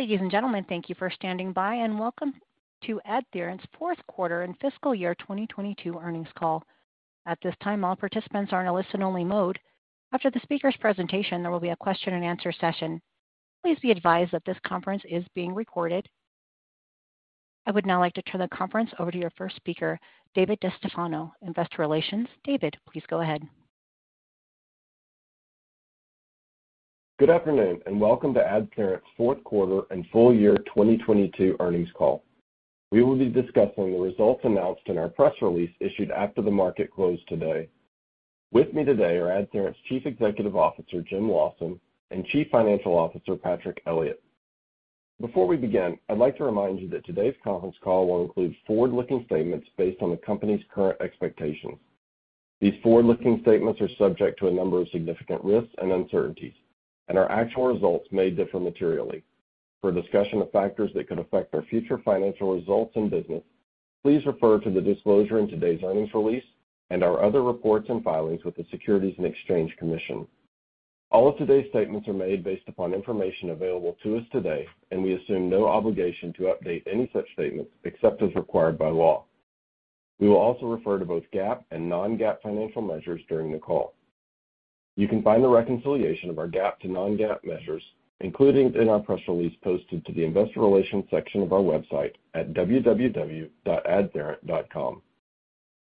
Ladies and gentlemen, thank you for standing by and welcome to AdTheorent's fourth quarter and fiscal year 2022 earnings call. At this time, all participants are in a listen only mode. After the speaker's presentation, there will be a question-and-answer session. Please be advised that this conference is being recorded. I would now like to turn the conference over to your first speaker, David DeStefano, Investor Relations. David, please go ahead. Good afternoon and welcome to AdTheorent's fourth quarter and full-year 2022 earnings call. We will be discussing the results announced in our press release issued after the market closed today. With me today are AdTheorent's Chief Executive Officer, Jim Lawson, and Chief Financial Officer, Patrick Elliott. Before we begin, I'd like to remind you that today's conference call will include forward-looking statements based on the company's current expectations. These forward-looking statements are subject to a number of significant risks and uncertainties, and our actual results may differ materially. For a discussion of factors that could affect our future financial results and business, please refer to the disclosure in today's earnings release and our other reports and filings with the Securities and Exchange Commission. All of today's statements are made based upon information available to us today, and we assume no obligation to update any such statements except as required by law. We will also refer to both GAAP and non-GAAP financial measures during the call. You can find the reconciliation of our GAAP to non-GAAP measures, including in our press release posted to the investor relations section of our website at www.adtheorent.com.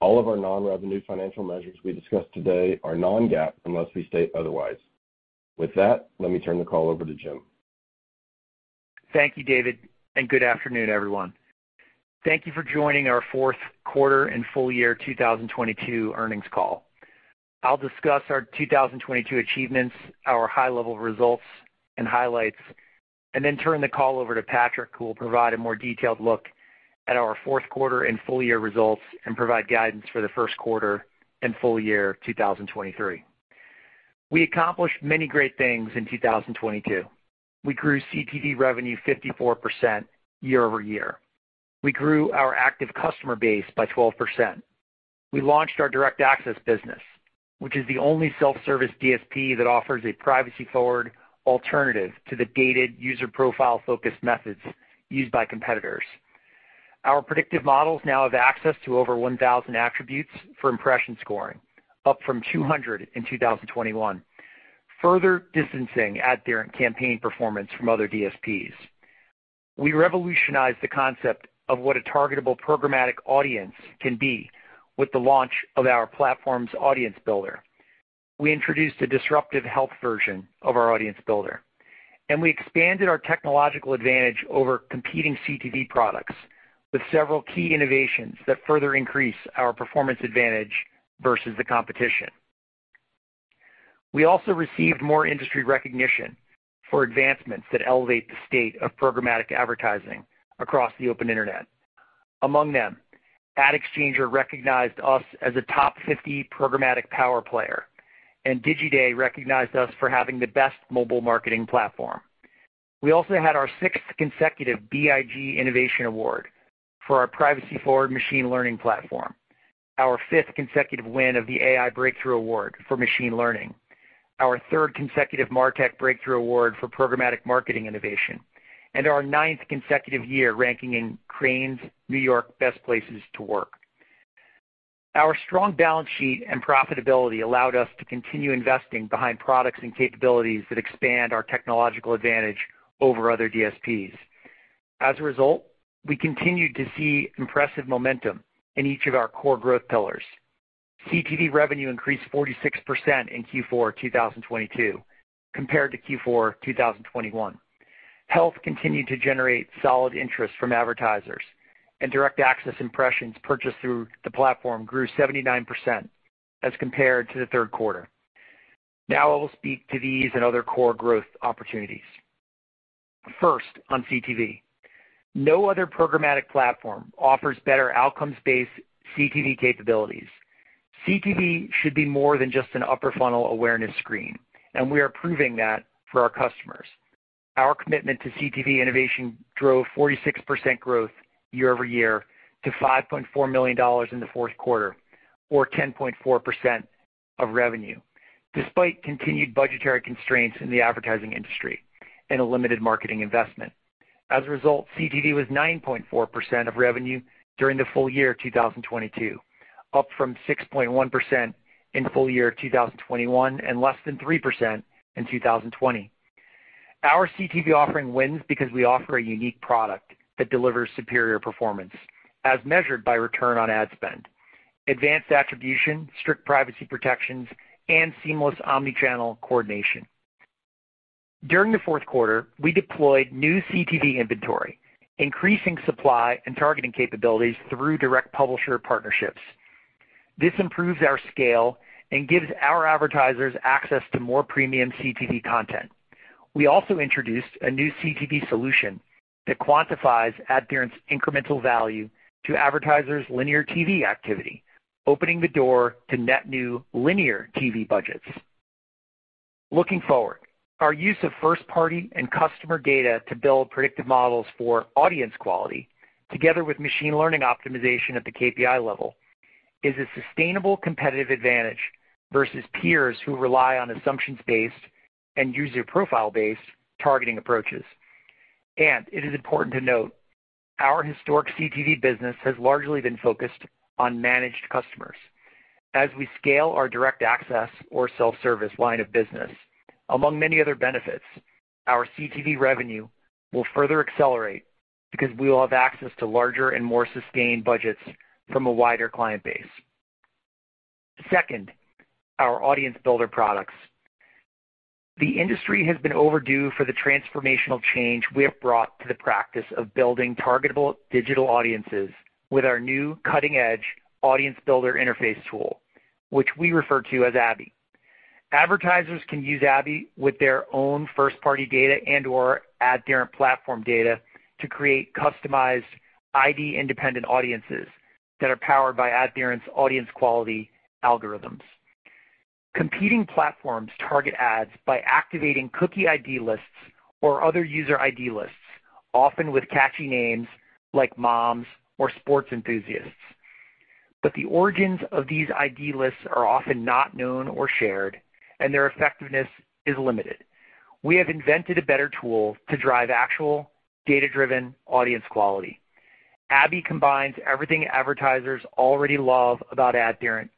All of our non-revenue financial measures we discuss today are non-GAAP unless we state otherwise. With that, let me turn the call over to Jim. Thank you, David. Good afternoon, everyone. Thank you for joining our fourth quarter and full-year 2022 earnings call. I'll discuss our 2022 achievements, our high-level results and highlights, and then turn the call over to Patrick, who will provide a more detailed look at our fourth quarter and full-year results and provide guidance for the first quarter and full-year 2023. We accomplished many great things in 2022. We grew CTV revenue 54% year-over-year. We grew our active customer base by 12%. We launched our Direct Access business, which is the only self-service DSP that offers a privacy-forward alternative to the dated user profile-focused methods used by competitors. Our predictive models now have access to over 1,000 attributes for impression scoring, up from 200 in 2021, further distancing AdTheorent campaign performance from other DSPs. We revolutionized the concept of what a targetable programmatic audience can be with the launch of our platform's Audience Builder. We introduced a disruptive health version of our Audience Builder, we expanded our technological advantage over competing CTV products with several key innovations that further increase our performance advantage versus the competition. We also received more industry recognition for advancements that elevate the state of programmatic advertising across the open Internet. Among them, AdExchanger recognized us as a top 50 programmatic power player, Digiday recognized us for having the best mobile marketing platform. We also had our sixth consecutive BIG Innovation Award for our privacy-forward machine learning platform, our fifth consecutive win of the AI Breakthrough Award for machine learning, our third consecutive MarTech Breakthrough Award for programmatic marketing innovation, and our ninth consecutive year ranking in Crain's New York Best Places to Work. Our strong balance sheet and profitability allowed us to continue investing behind products and capabilities that expand our technological advantage over other DSPs. As a result, we continued to see impressive momentum in each of our core growth pillars. CTV revenue increased 46% in Q4 2022 compared to Q4 2021. Health continued to generate solid interest from advertisers, and Direct Access impressions purchased through the platform grew 79% as compared to the third quarter. Now I will speak to these and other core growth opportunities. First, on CTV. No other programmatic platform offers better outcomes-based CTV capabilities. CTV should be more than just an upper funnel awareness screen. We are proving that for our customers. Our commitment to CTV innovation drove 46% growth year-over-year to $5.4 million in the fourth quarter or 10.4% of revenue, despite continued budgetary constraints in the advertising industry and a limited marketing investment. As a result, CTV was 9.4% of revenue during the full-year 2022, up from 6.1% in full-year 2021 and less than 3% in 2020. Our CTV offering wins because we offer a unique product that delivers superior performance as measured by return on ad spend, advanced attribution, strict privacy protections, and seamless omni-channel coordination. During the fourth quarter, we deployed new CTV inventory, increasing supply and targeting capabilities through direct publisher partnerships. This improves our scale and gives our advertisers access to more premium CTV content. We also introduced a new CTV solution that quantifies AdTheorent's incremental value to advertisers' linear TV activity, opening the door to net new linear TV budgets. Looking forward, our use of first-party and customer data to build predictive models for audience quality, together with machine learning optimization at the KPI level is a sustainable competitive advantage versus peers who rely on assumptions based and user profile based targeting approaches. It is important to note our historic CTV business has largely been focused on managed customers. As we scale our Direct Access or self-service line of business, among many other benefits, our CTV revenue will further accelerate because we will have access to larger and more sustained budgets from a wider client base. Second, our audience builder products. The industry has been overdue for the transformational change we have brought to the practice of building targetable digital audiences with our new cutting edge audience builder interface tool, which we refer to as ABi. Advertisers can use ABi with their own first party data and or AdTheorent platform data to create customized ID independent audiences that are powered by AdTheorent's audience quality algorithms. Competing platforms target ads by activating cookie ID lists or other user ID lists, often with catchy names like moms or sports enthusiasts. The origins of these ID lists are often not known or shared, and their effectiveness is limited. We have invented a better tool to drive actual data-driven audience quality. ABi combines everything advertisers already love about AdTheorent,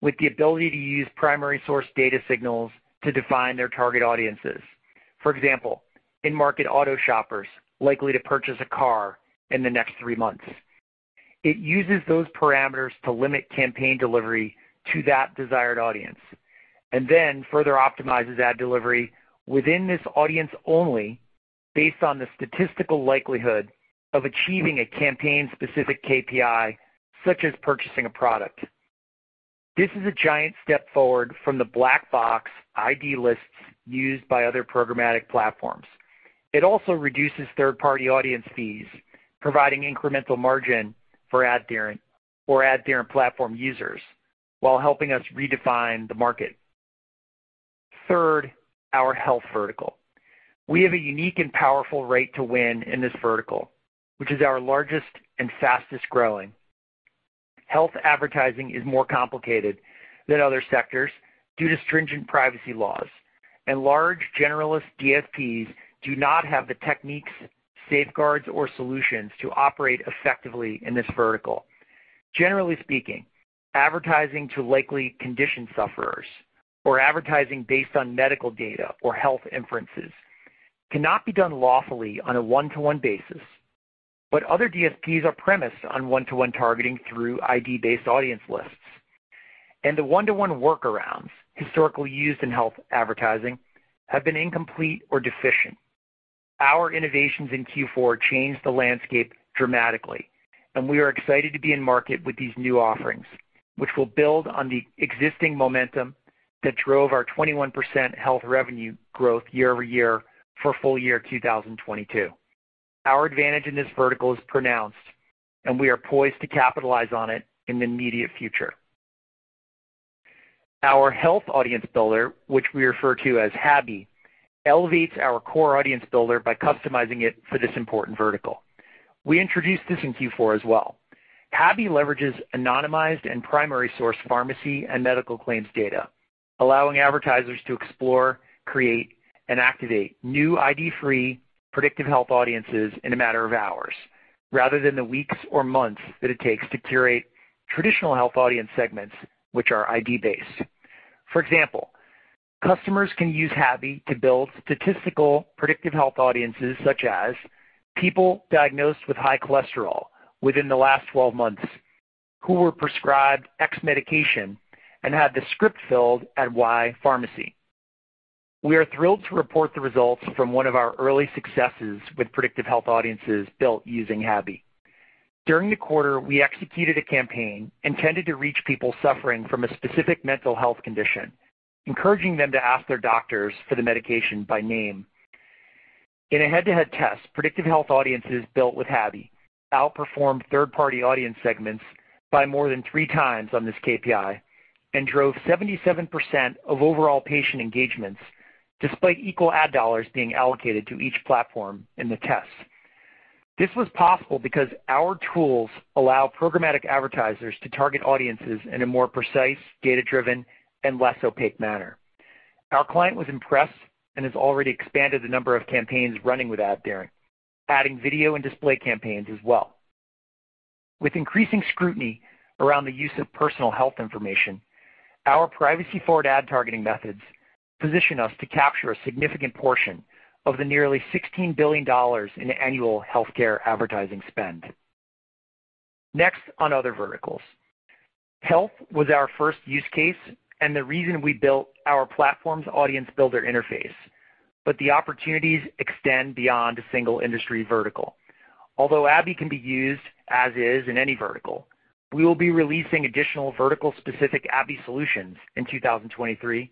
with the ability to use primary source data signals to define their target audiences. For example, in market auto shoppers likely to purchase a car in the next three months. It uses those parameters to limit campaign delivery to that desired audience, and then further optimizes ad delivery within this audience only based on the statistical likelihood of achieving a campaign specific KPI, such as purchasing a product. This is a giant step forward from the black box ID lists used by other programmatic platforms. It also reduces third party audience fees, providing incremental margin for AdTheorent or AdTheorent platform users while helping us redefine the market. Third, our health vertical. We have a unique and powerful rate to win in this vertical, which is our largest and fastest growing. Health advertising is more complicated than other sectors due to stringent privacy laws, large generalist DSPs do not have the techniques, safeguards, or solutions to operate effectively in this vertical. Generally speaking, advertising to likely condition sufferers or advertising based on medical data or health inferences cannot be done lawfully on a one-to-one basis. Other DSPs are premised on one-to-one targeting through ID-based audience lists. The one-to-one workarounds historically used in health advertising have been incomplete or deficient. Our innovations in Q4 changed the landscape dramatically, and we are excited to be in market with these new offerings, which will build on the existing momentum that drove our 21% health revenue growth year-over-year for full-year 2022. Our advantage in this vertical is pronounced and we are poised to capitalize on it in the immediate future. Our health audience builder, which we refer to as HABi, elevates our core audience builder by customizing it for this important vertical. We introduced this in Q4 as well. HABi leverages anonymized and primary source pharmacy and medical claims data, allowing advertisers to explore, create, and activate new ID-free predictive health audiences in a matter of hours, rather than the weeks or months that it takes to curate traditional health audience segments, which are ID-based. For example, customers can use HABi to build statistical predictive health audiences such as people diagnosed with high cholesterol within the last 12 months, who were prescribed X medication and had the script filled at Y pharmacy. We are thrilled to report the results from one of our early successes with predictive health audiences built using HABi. During the quarter, we executed a campaign intended to reach people suffering from a specific mental health condition, encouraging them to ask their doctors for the medication by name. In a head to head test, predictive health audiences built with HABi outperformed third party audience segments by more than 3x on this KPI and drove 77% of overall patient engagements despite equal ad dollars being allocated to each platform in the test. This was possible because our tools allow programmatic advertisers to target audiences in a more precise, data-driven, and less opaque manner. Our client was impressed and has already expanded the number of campaigns running with AdTheorent, adding video and display campaigns as well. With increasing scrutiny around the use of personal health information, our privacy-forward ad targeting methods position us to capture a significant portion of the nearly $16 billion in annual healthcare advertising spend. On other verticals. Health was our first use case and the reason we built our platform's Audience Builder Interface. The opportunities extend beyond a single industry vertical. Although ABi can be used as is in any vertical, we will be releasing additional vertical-specific ABi solutions in 2023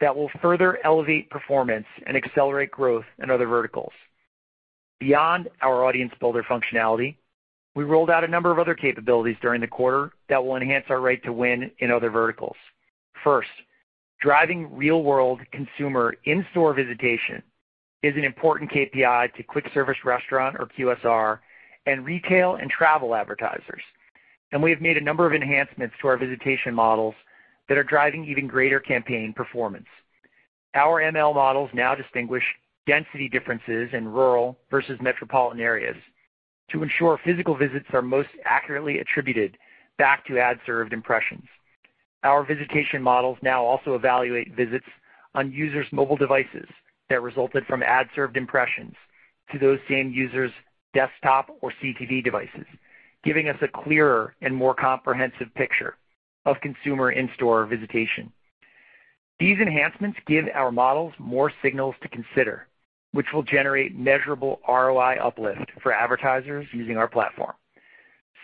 that will further elevate performance and accelerate growth in other verticals. Beyond our Audience Builder functionality, we rolled out a number of other capabilities during the quarter that will enhance our right to win in other verticals. First. Driving real-world consumer in-store visitation is an important KPI to quick service restaurant or QSR and retail and travel advertisers, and we have made a number of enhancements to our visitation models that are driving even greater campaign performance. Our ML models now distinguish density differences in rural versus metropolitan areas to ensure physical visits are most accurately attributed back to ad-served impressions. Our visitation models now also evaluate visits on users' mobile devices that resulted from ad-served impressions to those same users' desktop or CTV devices, giving us a clearer and more comprehensive picture of consumer in-store visitation. These enhancements give our models more signals to consider, which will generate measurable ROI uplift for advertisers using our platform.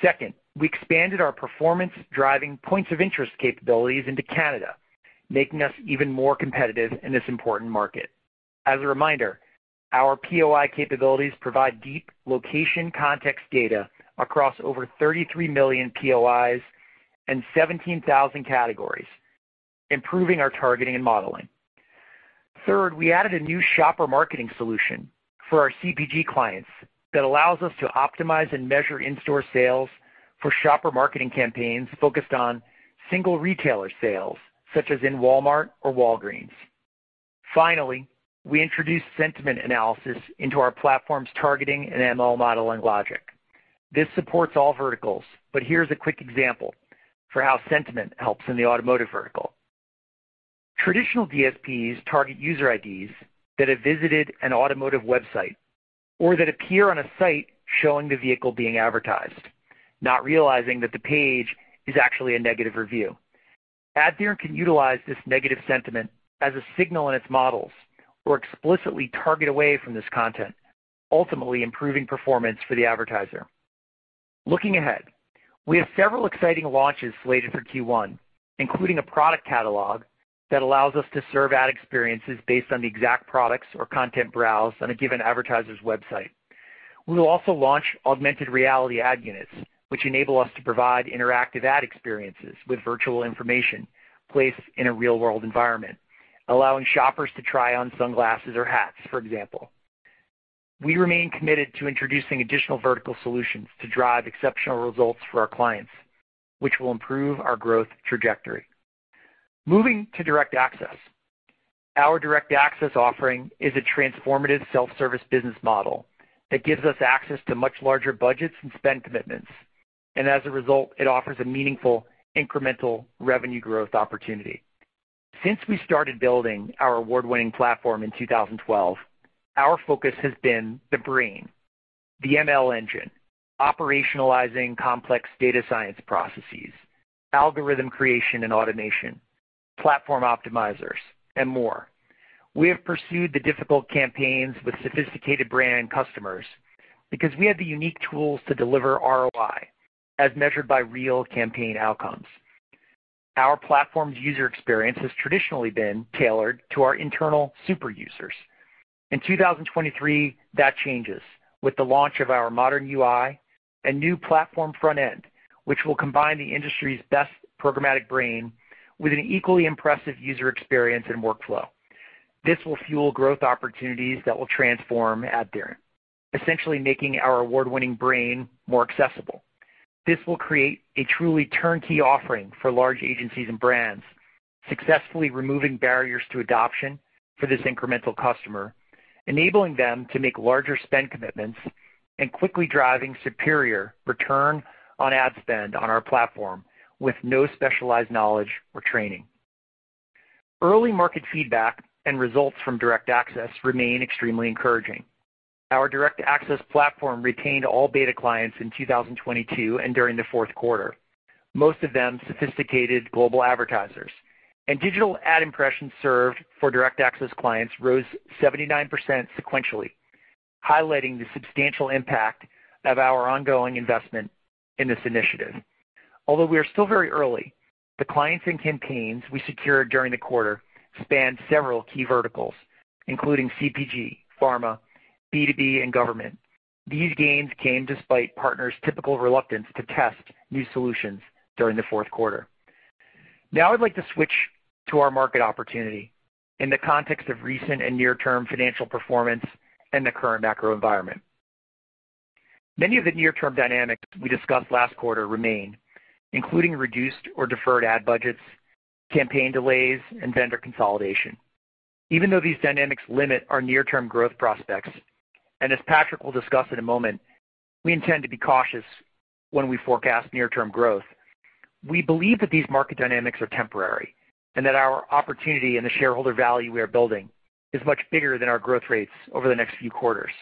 Second, we expanded our performance-driving points of interest capabilities into Canada, making us even more competitive in this important market. As a reminder, our POI capabilities provide deep location context data across over 33 million POIs and 17,000 categories, improving our targeting and modeling. Third, we added a new shopper marketing solution for our CPG clients that allows us to optimize and measure in-store sales for shopper marketing campaigns focused on single retailer sales, such as in Walmart or Walgreens. Finally, we introduced sentiment analysis into our platform's targeting and ML modeling logic. This supports all verticals, but here's a quick example for how sentiment helps in the automotive vertical. Traditional DSPs target user IDs that have visited an automotive website or that appear on a site showing the vehicle being advertised, not realizing that the page is actually a negative review. AdTheorent can utilize this negative sentiment as a signal in its models or explicitly target away from this content, ultimately improving performance for the advertiser. Looking ahead, we have several exciting launches slated for Q1, including a product catalog that allows us to serve ad experiences based on the exact products or content browsed on a given advertiser's website. We will also launch augmented reality ad units, which enable us to provide interactive ad experiences with virtual information placed in a real-world environment, allowing shoppers to try on sunglasses or hats, for example. We remain committed to introducing additional vertical solutions to drive exceptional results for our clients, which will improve our growth trajectory. Moving to Direct Access. Our Direct Access offering is a transformative self-service business model that gives us access to much larger budgets and spend commitments. As a result, it offers a meaningful incremental revenue growth opportunity. Since we started building our award-winning platform in 2012, our focus has been the brain, the ML engine, operationalizing complex data science processes, algorithm creation and automation, platform optimizers, and more. We have pursued the difficult campaigns with sophisticated brand customers because we have the unique tools to deliver ROI, as measured by real campaign outcomes. Our platform's user experience has traditionally been tailored to our internal super users. In 2023, that changes with the launch of our modern UI and new platform front end, which will combine the industry's best programmatic brain with an equally impressive user experience and workflow. This will fuel growth opportunities that will transform AdTheorent, essentially making our award-winning brain more accessible. This will create a truly turnkey offering for large agencies and brands, successfully removing barriers to adoption for this incremental customer, enabling them to make larger spend commitments, and quickly driving superior return on ad spend on our platform with no specialized knowledge or training. Early market feedback and results from Direct Access remain extremely encouraging. Our Direct Access platform retained all beta clients in 2022 and during the fourth quarter, most of them sophisticated global advertisers. Digital ad impressions served for Direct Access clients rose 79% sequentially, highlighting the substantial impact of our ongoing investment in this initiative. Although we are still very early, the clients and campaigns we secured during the quarter spanned several key verticals, including CPG, Pharma, B2B, and government. These gains came despite partners' typical reluctance to test new solutions during the fourth quarter. Now I'd like to switch to our market opportunity in the context of recent and near-term financial performance and the current macro environment. Many of the near-term dynamics we discussed last quarter remain, including reduced or deferred ad budgets, campaign delays, and vendor consolidation. Even though these dynamics limit our near-term growth prospects, and as Patrick will discuss in a moment, we intend to be cautious when we forecast near-term growth. We believe that these market dynamics are temporary, and that our opportunity and the shareholder value we are building is much bigger than our growth rates over the next few quarters.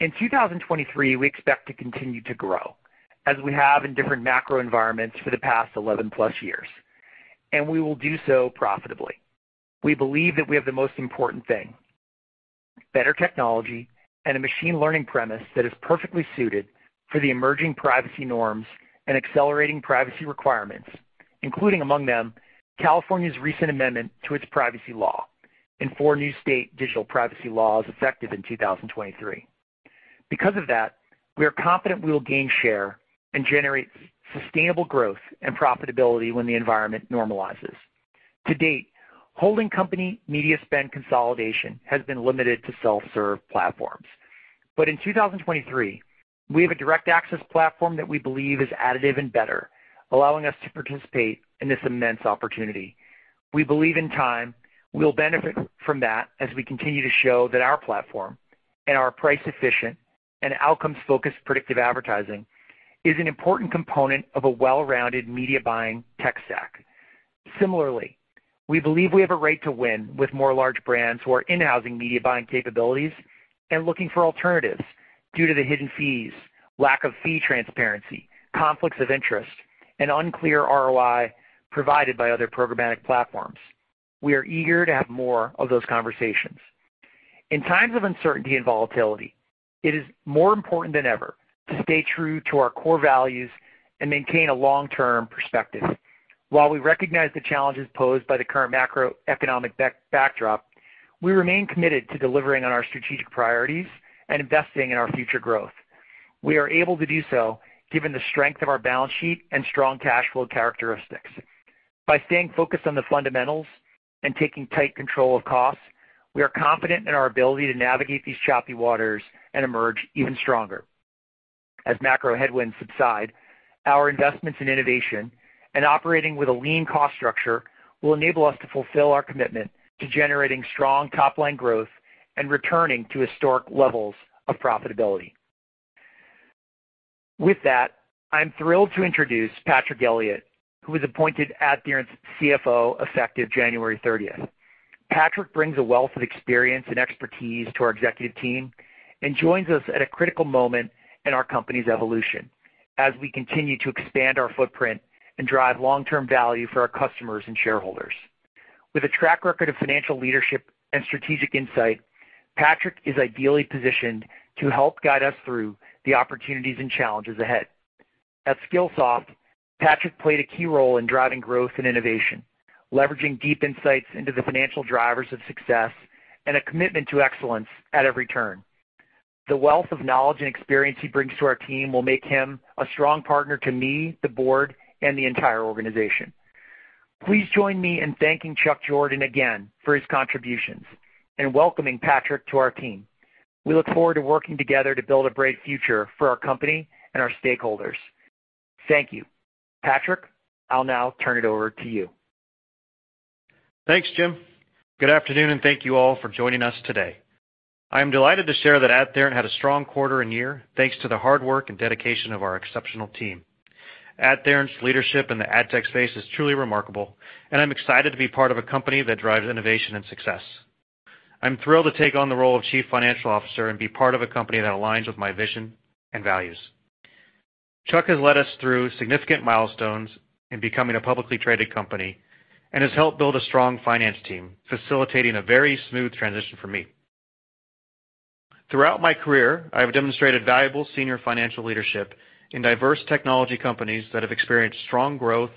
In 2023, we expect to continue to grow as we have in different macro environments for the past 11+ years, and we will do so profitably. We believe that we have the most important thing, better technology and a machine learning premise that is perfectly suited for the emerging privacy norms and accelerating privacy requirements, including, among them, California's recent amendment to its privacy law and four new state digital privacy laws effective in 2023. We are confident we will gain share and generate sustainable growth and profitability when the environment normalizes. To date, holding company media spend consolidation has been limited to self-serve platforms. In 2023, we have a Direct Access platform that we believe is additive and better, allowing us to participate in this immense opportunity. We believe in time we'll benefit from that as we continue to show that our platform and our price efficient and outcomes-focused predictive advertising is an important component of a well-rounded media buying tech stack. Similarly, we believe we have a right to win with more large brands who are in-housing media buying capabilities and looking for alternatives due to the hidden fees, lack of fee transparency, conflicts of interest, and unclear ROI provided by other programmatic platforms. We are eager to have more of those conversations. In times of uncertainty and volatility, it is more important than ever to stay true to our core values and maintain a long-term perspective. While we recognize the challenges posed by the current macroeconomic backdrop, we remain committed to delivering on our strategic priorities and investing in our future growth. We are able to do so given the strength of our balance sheet and strong cash flow characteristics. By staying focused on the fundamentals and taking tight control of costs, we are confident in our ability to navigate these choppy waters and emerge even stronger. As macro headwinds subside, our investments in innovation and operating with a lean cost structure will enable us to fulfill our commitment to generating strong top-line growth and returning to historic levels of profitability. I'm thrilled to introduce Patrick Elliott, who was appointed AdTheorent's CFO effective January 30th. Patrick brings a wealth of experience and expertise to our executive team and joins us at a critical moment in our company's evolution as we continue to expand our footprint and drive long-term value for our customers and shareholders. With a track record of financial leadership and strategic insight, Patrick is ideally positioned to help guide us through the opportunities and challenges ahead. At Skillsoft, Patrick played a key role in driving growth and innovation, leveraging deep insights into the financial drivers of success and a commitment to excellence at every turn. The wealth of knowledge and experience he brings to our team will make him a strong partner to me, the board, and the entire organization. Please join me in thanking Chuck Jordan again for his contributions and welcoming Patrick to our team. We look forward to working together to build a bright future for our company and our stakeholders. Thank you. Patrick, I'll now turn it over to you. Thanks, Jim. Good afternoon. Thank you all for joining us today. I am delighted to share that AdTheorent had a strong quarter and year, thanks to the hard work and dedication of our exceptional team. AdTheorent's leadership in the ad tech space is truly remarkable, and I'm excited to be part of a company that drives innovation and success. I'm thrilled to take on the role of Chief Financial Officer and be part of a company that aligns with my vision and values. Chuck has led us through significant milestones in becoming a publicly traded company and has helped build a strong finance team, facilitating a very smooth transition for me. Throughout my career, I have demonstrated valuable senior financial leadership in diverse technology companies that have experienced strong growth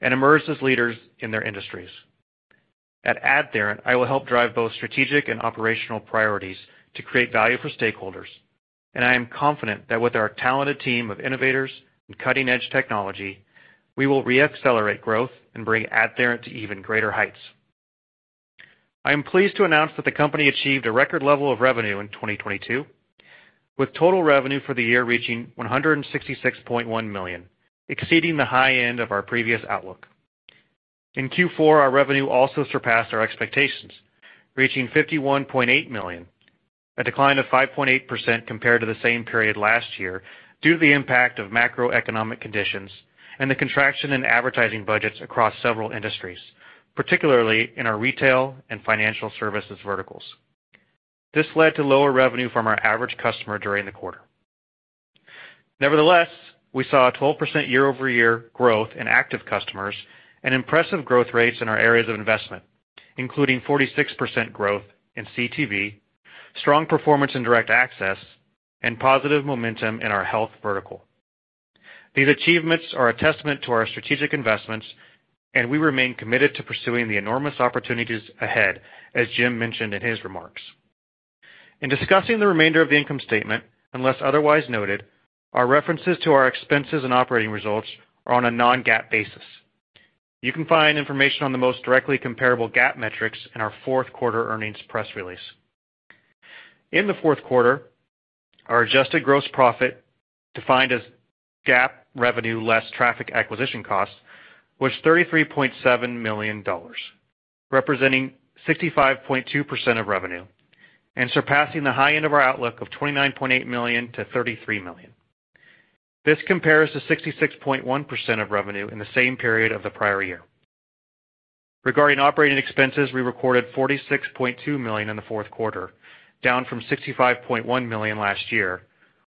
and emerged as leaders in their industries. At AdTheorent, I will help drive both strategic and operational priorities to create value for stakeholders. I am confident that with our talented team of innovators and cutting-edge technology, we will re-accelerate growth and bring AdTheorent to even greater heights. I am pleased to announce that the company achieved a record level of revenue in 2022, with total revenue for the year reaching $166.1 million, exceeding the high end of our previous outlook. In Q4, our revenue also surpassed our expectations, reaching $51.8 million, a decline of 5.8% compared to the same period last year due to the impact of macroeconomic conditions and the contraction in advertising budgets across several industries, particularly in our retail and financial services verticals. This led to lower revenue from our average customer during the quarter. Nevertheless, we saw a 12% year-over-year growth in active customers and impressive growth rates in our areas of investment, including 46% growth in CTV, strong performance in Direct Access, and positive momentum in our health vertical. These achievements are a testament to our strategic investments, and we remain committed to pursuing the enormous opportunities ahead, as Jim mentioned in his remarks. In discussing the remainder of the income statement, unless otherwise noted, our references to our expenses and operating results are on a non-GAAP basis. You can find information on the most directly comparable GAAP metrics in our fourth quarter earnings press release. In the fourth quarter, our adjusted gross profit, defined as GAAP revenue less traffic acquisition costs, was $33.7 million, representing 65.2% of revenue and surpassing the high end of our outlook of $29.8 million-$33 million. This compares to 66.1% of revenue in the same period of the prior year. Regarding operating expenses, we recorded $46.2 million in the fourth quarter, down from $65.1 million last year,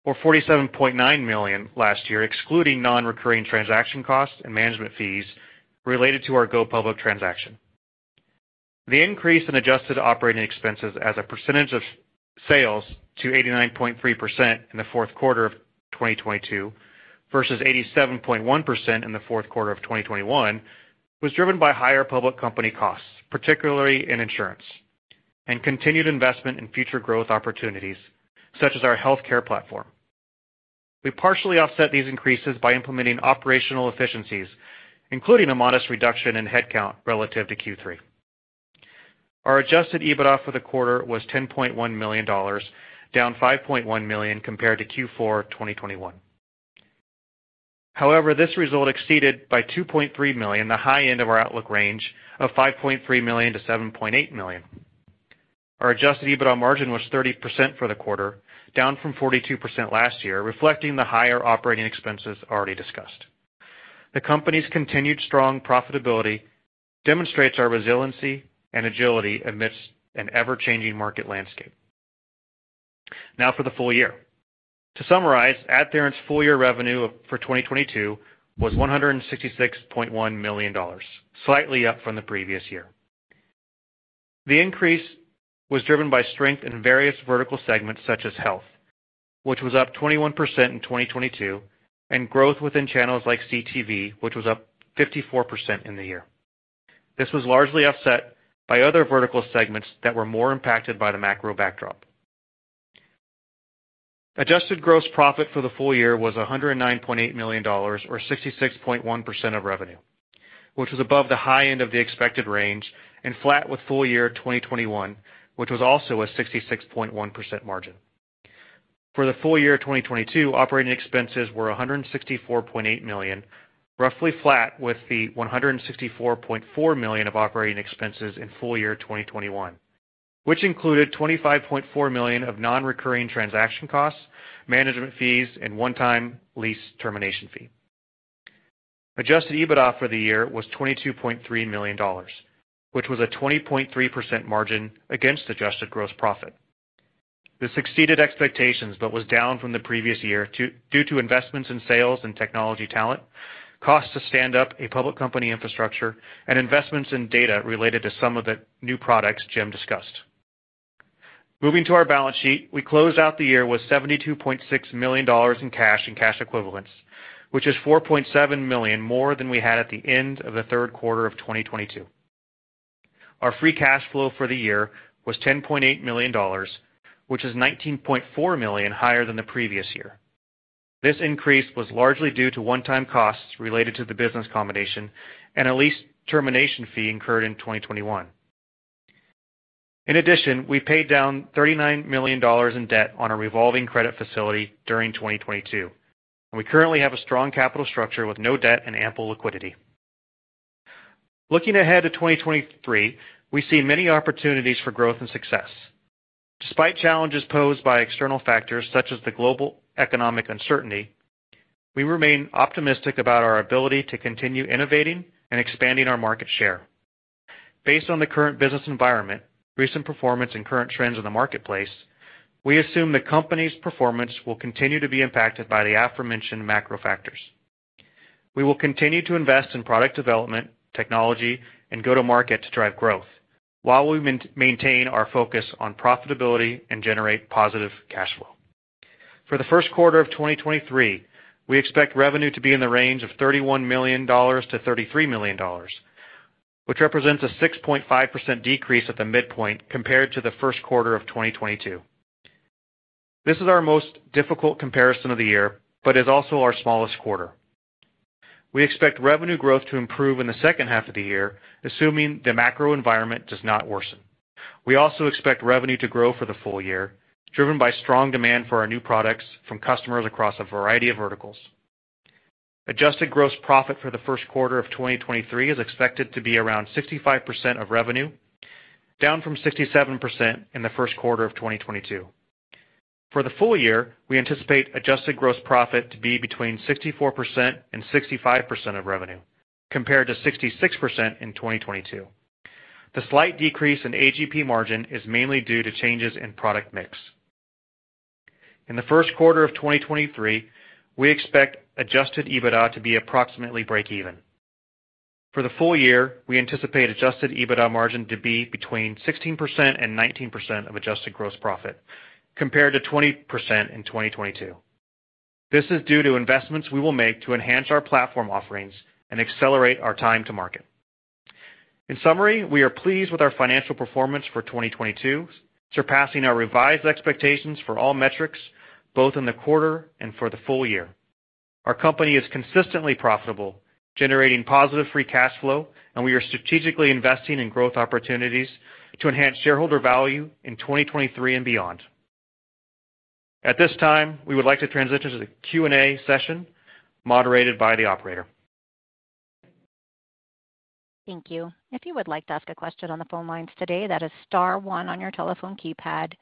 or $47.9 million last year, excluding non-recurring transaction costs and management fees related to our go public transaction. The increase in adjusted operating expenses as a percentage of sales to 89.3% in the fourth quarter of 2022 versus 87.1% in the fourth quarter of 2021 was driven by higher public company costs, particularly in insurance and continued investment in future growth opportunities such as our healthcare platform. We partially offset these increases by implementing operational efficiencies, including a modest reduction in headcount relative to Q3. Our adjusted EBITDA for the quarter was $10.1 million, down $5.1 million compared to Q4 2021. However, this result exceeded by $2.3 million the high end of our outlook range of $5.3 million-$7.8 million. Our adjusted EBITDA margin was 30% for the quarter, down from 42% last year, reflecting the higher operating expenses already discussed. The company's continued strong profitability demonstrates our resiliency and agility amidst an ever-changing market landscape. Now for the full-year. To summarize, AdTheorent's full-year revenue for 2022 was $166.1 million, slightly up from the previous year. The increase was driven by strength in various vertical segments such as health, which was up 21% in 2022, and growth within channels like CTV, which was up 54% in the year. This was largely offset by other vertical segments that were more impacted by the macro backdrop. Adjusted gross profit for the full-year was $109.8 million or 66.1% of revenue, which was above the high end of the expected range and flat with full-year 2021, which was also a 66.1% margin. For the full-year 2022, operating expenses were $164.8 million, roughly flat with the $164.4 million of operating expenses in full-year 2021, which included $25.4 million of non-recurring transaction costs, management fees and one-time lease termination fee. Adjusted EBITDA for the year was $22.3 million, which was a 20.3% margin against adjusted gross profit. This exceeded expectations but was down from the previous year due to investments in sales and technology talent, costs to stand up a public company infrastructure and investments in data related to some of the new products Jim discussed. Moving to our balance sheet, we closed out the year with $72.6 million in cash and cash equivalents, which is $4.7 million more than we had at the end of the third quarter of 2022. Our free cash flow for the year was $10.8 million, which is $19.4 million higher than the previous year. This increase was largely due to one-time costs related to the business combination and a lease termination fee incurred in 2021. We paid down $39 million in debt on a revolving credit facility during 2022. We currently have a strong capital structure with no debt and ample liquidity. Looking ahead to 2023, we see many opportunities for growth and success. Despite challenges posed by external factors such as the global economic uncertainty, we remain optimistic about our ability to continue innovating and expanding our market share. Based on the current business environment, recent performance and current trends in the marketplace, we assume the company's performance will continue to be impacted by the aforementioned macro factors. We will continue to invest in product development, technology and go-to-market to drive growth while we maintain our focus on profitability and generate positive cash flow. For the first quarter of 2023, we expect revenue to be in the range of $31 million-$33 million, which represents a 6.5% decrease at the midpoint compared to the first quarter of 2022. This is our most difficult comparison of the year, but is also our smallest quarter. We expect revenue growth to improve in the second half of the year, assuming the macro environment does not worsen. We also expect revenue to grow for the full-year, driven by strong demand for our new products from customers across a variety of verticals. Adjusted gross profit for the first quarter of 2023 is expected to be around 65% of revenue, down from 67% in the first quarter of 2022. For the full-year, we anticipate adjusted gross profit to be between 64% and 65% of revenue, compared to 66% in 2022. The slight decrease in AGP margin is mainly due to changes in product mix. In the first quarter of 2023, we expect adjusted EBITDA to be approximately breakeven. For the full-year, we anticipate adjusted EBITDA margin to be between 16% and 19% of adjusted gross profit, compared to 20% in 2022. This is due to investments we will make to enhance our platform offerings and accelerate our time to market. In summary, we are pleased with our financial performance for 2022, surpassing our revised expectations for all metrics, both in the quarter and for the full-year. Our company is consistently profitable, generating positive free cash flow, and we are strategically investing in growth opportunities to enhance shareholder value in 2023 and beyond. At this time, we would like to transition to the Q&A session moderated by the operator. Thank you. If you would like to ask a question on the phone lines today, that is star one on your telephone keypad.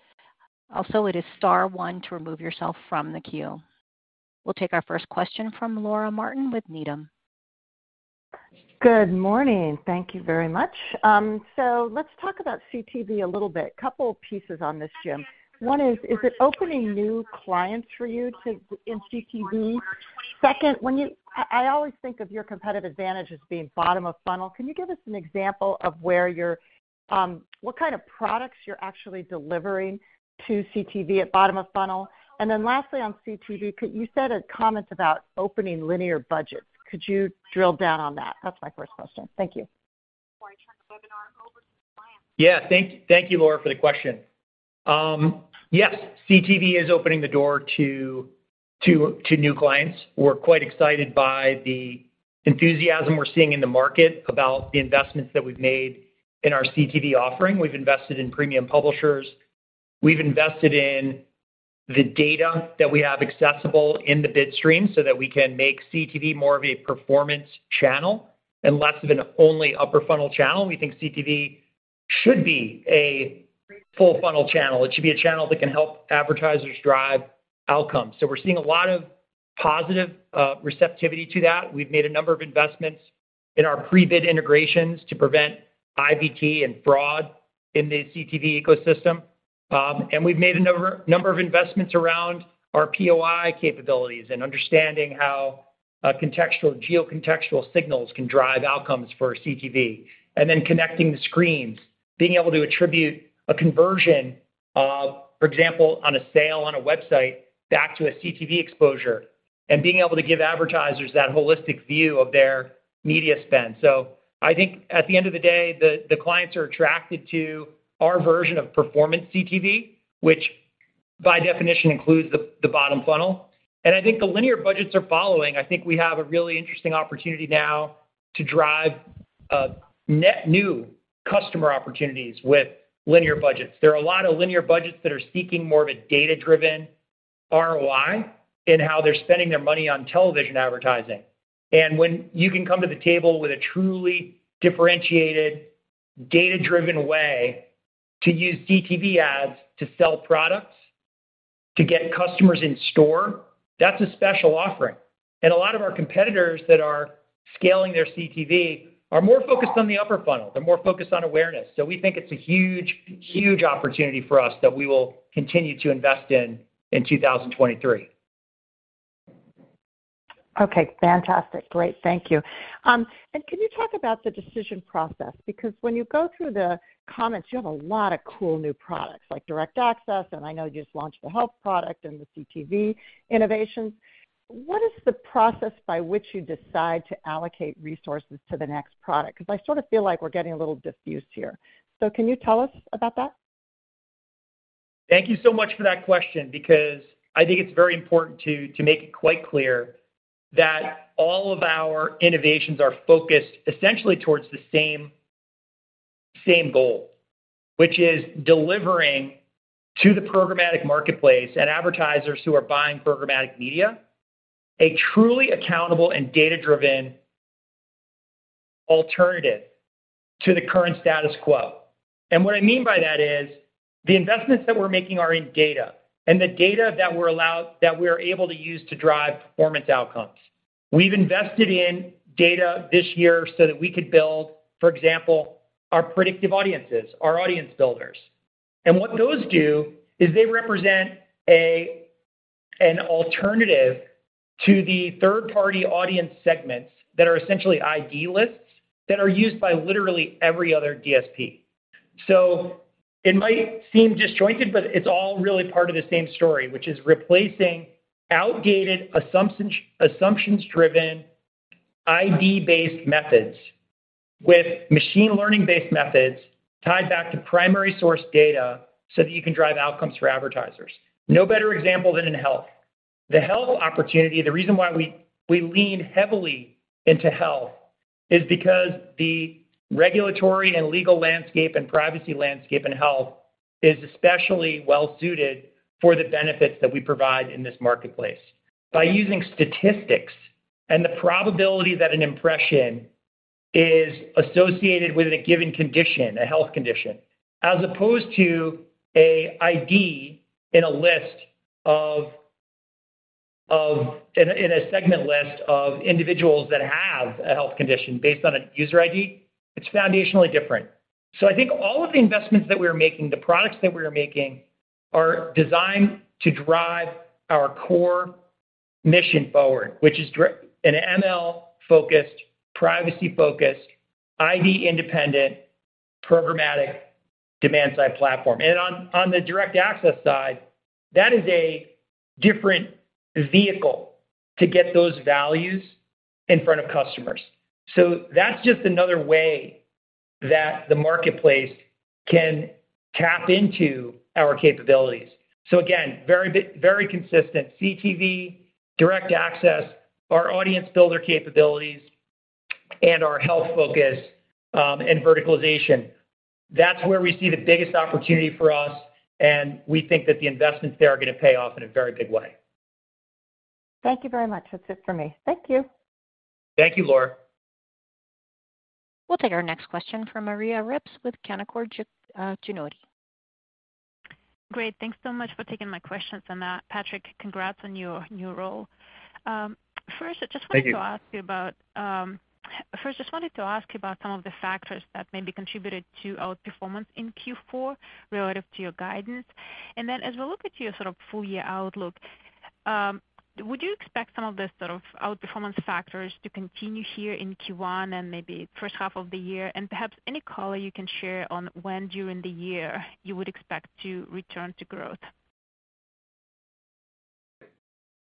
Also, it is star one to remove yourself from the queue. We'll take our first question from Laura Martin with Needham. Good morning. Thank you very much. Let's talk about CTV a little bit. Couple pieces on this, Jim. One is it opening new clients for you in CTV? Second, when I always think of your competitive advantage as being bottom of funnel. Can you give us an example of where you're? What kind of products you're actually delivering to CTV at bottom of funnel? Lastly, on CTV, you said a comment about opening linear budgets. Could you drill down on that? That's my first question. Thank you. Thank you, Laura, for the question. Yes, CTV is opening the door to new clients. We're quite excited by the enthusiasm we're seeing in the market about the investments that we've made in our CTV offering. We've invested in premium publishers. We've invested in the data that we have accessible in the bid stream so that we can make CTV more of a performance channel and less of an only upper funnel channel. We think CTV should be a full funnel channel. It should be a channel that can help advertisers drive outcomes. We're seeing a lot of positive receptivity to that. We've made a number of investments in our pre-bid integrations to prevent IVT and fraud in the CTV ecosystem. We've made a number of investments around our POI capabilities and understanding how geo-contextual signals can drive outcomes for CTV. Connecting the screens, being able to attribute a conversion, for example, on a sale on a website back to a CTV exposure, and being able to give advertisers that holistic view of their media spend. I think at the end of the day, the clients are attracted to our version of performance CTV, which by definition includes the bottom funnel. I think the linear budgets are following. I think we have a really interesting opportunity now to drive net new customer opportunities with linear budgets. There are a lot of linear budgets that are seeking more of a data-driven ROI in how they're spending their money on television advertising. When you can come to the table with a truly differentiated data-driven way to use CTV ads to sell products, to get customers in store, that's a special offering. A lot of our competitors that are scaling their CTV are more focused on the upper funnel. They're more focused on awareness. We think it's a huge, huge opportunity for us that we will continue to invest in in 2023. Okay, fantastic. Great. Thank you. Can you talk about the decision process? When you go through the comments, you have a lot of cool new products like Direct Access, and I know you just launched the health product and the CTV innovations. What is the process by which you decide to allocate resources to the next product? I sort of feel like we're getting a little diffused here. Can you tell us about that? Thank you so much for that question because I think it's very important to make it quite clear that all of our innovations are focused essentially towards the same goal, which is delivering to the programmatic marketplace and advertisers who are buying programmatic media, a truly accountable and data-driven alternative to the current status quo. What I mean by that is the investments that we're making are in data and the data that we're able to use to drive performance outcomes. We've invested in data this year so that we could build, for example, our predictive audiences, our audience builders. What those do is they represent an alternative to the third-party audience segments that are essentially ID lists that are used by literally every other DSP. It might seem disjointed, but it's all really part of the same story, which is replacing outdated assumptions-driven, ID-based methods with machine learning-based methods tied back to primary source data so that you can drive outcomes for advertisers. No better example than in health. The health opportunity, the reason why we lean heavily into health is because the regulatory and legal landscape and privacy landscape in health is especially well suited for the benefits that we provide in this marketplace. By using statistics and the probability that an impression is associated with a given condition, a health condition, as opposed to a ID in a segment list of individuals that have a health condition based on a user ID, it's foundationally different. I think all of the investments that we are making, the products that we are making are designed to drive our core mission forward, which is an ML-focused, privacy-focused, ID-independent, programmatic demand side platform. On the Direct Access side, that is a different vehicle to get those values in front of customers. That's just another way that the marketplace can tap into our capabilities. Very consistent. CTV, Direct Access, our audience builder capabilities, and our health focus, and verticalization. That's where we see the biggest opportunity for us, and we think that the investments there are gonna pay off in a very big way. Thank you very much. That's it for me. Thank you. Thank you, Laura. We'll take our next question from Maria Ripps with Canaccord Genuity. Great. Thanks so much for taking my questions. Patrick, congrats on your new role. First. Thank you. To ask you about. First, just wanted to ask you about some of the factors that maybe contributed to outperformance in Q4 relative to your guidance. As we look at your sort of full-year outlook. Would you expect some of the sort of outperformance factors to continue here in Q1 and maybe first half of the year? Perhaps any color you can share on when during the year you would expect to return to growth.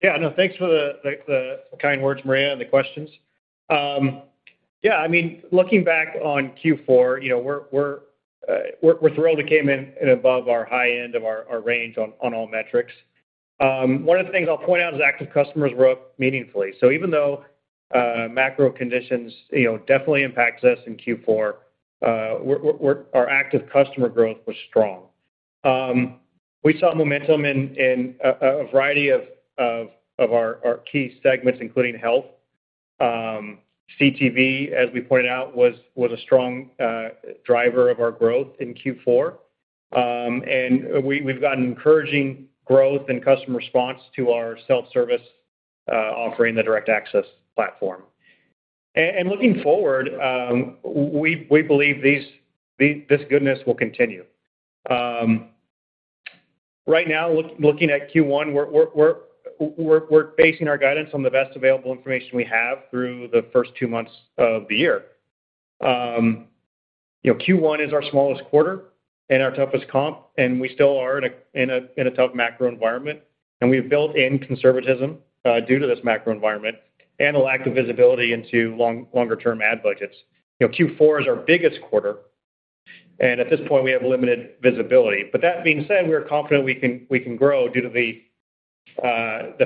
No, thanks for the kind words, Maria, and the questions. I mean, looking back on Q4, you know, we're thrilled it came in above our high end of our range on all metrics. One of the things I'll point out is active customers were up meaningfully. Even though macro conditions, you know, definitely impacts us in Q4, our active customer growth was strong. We saw momentum in a variety of our key segments, including health. CTV, as we pointed out, was a strong driver of our growth in Q4. And we've gotten encouraging growth and customer response to our self-service offering, the Direct Access platform. And looking forward, we believe this goodness will continue. Right now, looking at Q1, we're basing our guidance on the best available information we have through the first two months of the year. You know, Q1 is our smallest quarter and our toughest comp. We still are in a tough macro environment. We've built in conservatism due to this macro environment and a lack of visibility into longer term ad budgets. You know, Q4 is our biggest quarter. At this point, we have limited visibility. That being said, we are confident we can grow due to the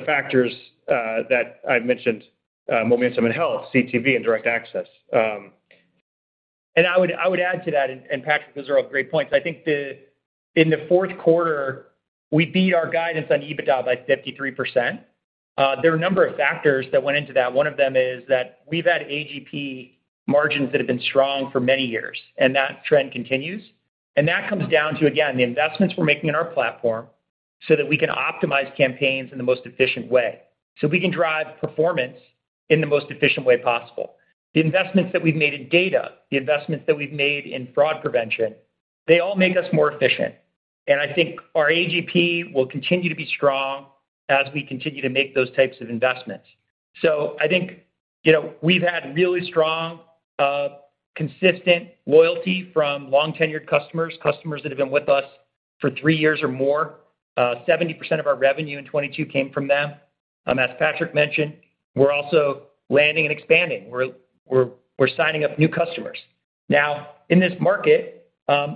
factors that I mentioned, momentum in health, CTV and Direct Access. I would add to that, and Patrick, those are all great points. I think in the fourth quarter, we beat our guidance on EBITDA by 53%. There are a number of factors that went into that. One of them is that we've had AGP margins that have been strong for many years, and that trend continues. That comes down to, again, the investments we're making in our platform so that we can optimize campaigns in the most efficient way, so we can drive performance in the most efficient way possible. The investments that we've made in data, the investments that we've made in fraud prevention, they all make us more efficient. I think our AGP will continue to be strong as we continue to make those types of investments. I think, you know, we've had really strong, consistent loyalty from long tenured customers that have been with us for three years or more. 70% of our revenue in 2022 came from them. As Patrick mentioned, we're also landing and expanding. We're signing up new customers. Now, in this market, a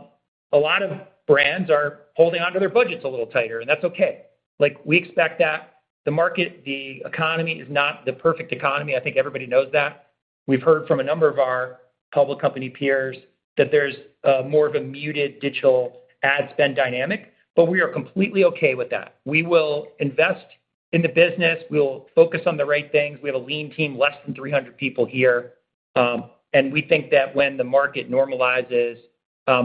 lot of brands are holding onto their budgets a little tighter, and that's okay. Like, we expect that. The market, the economy is not the perfect economy. I think everybody knows that. We've heard from a number of our public company peers that there's more of a muted digital ad spend dynamic. We are completely okay with that. We will invest in the business. We'll focus on the right things. We have a lean team, less than 300 people here. And we think that when the market normalizes,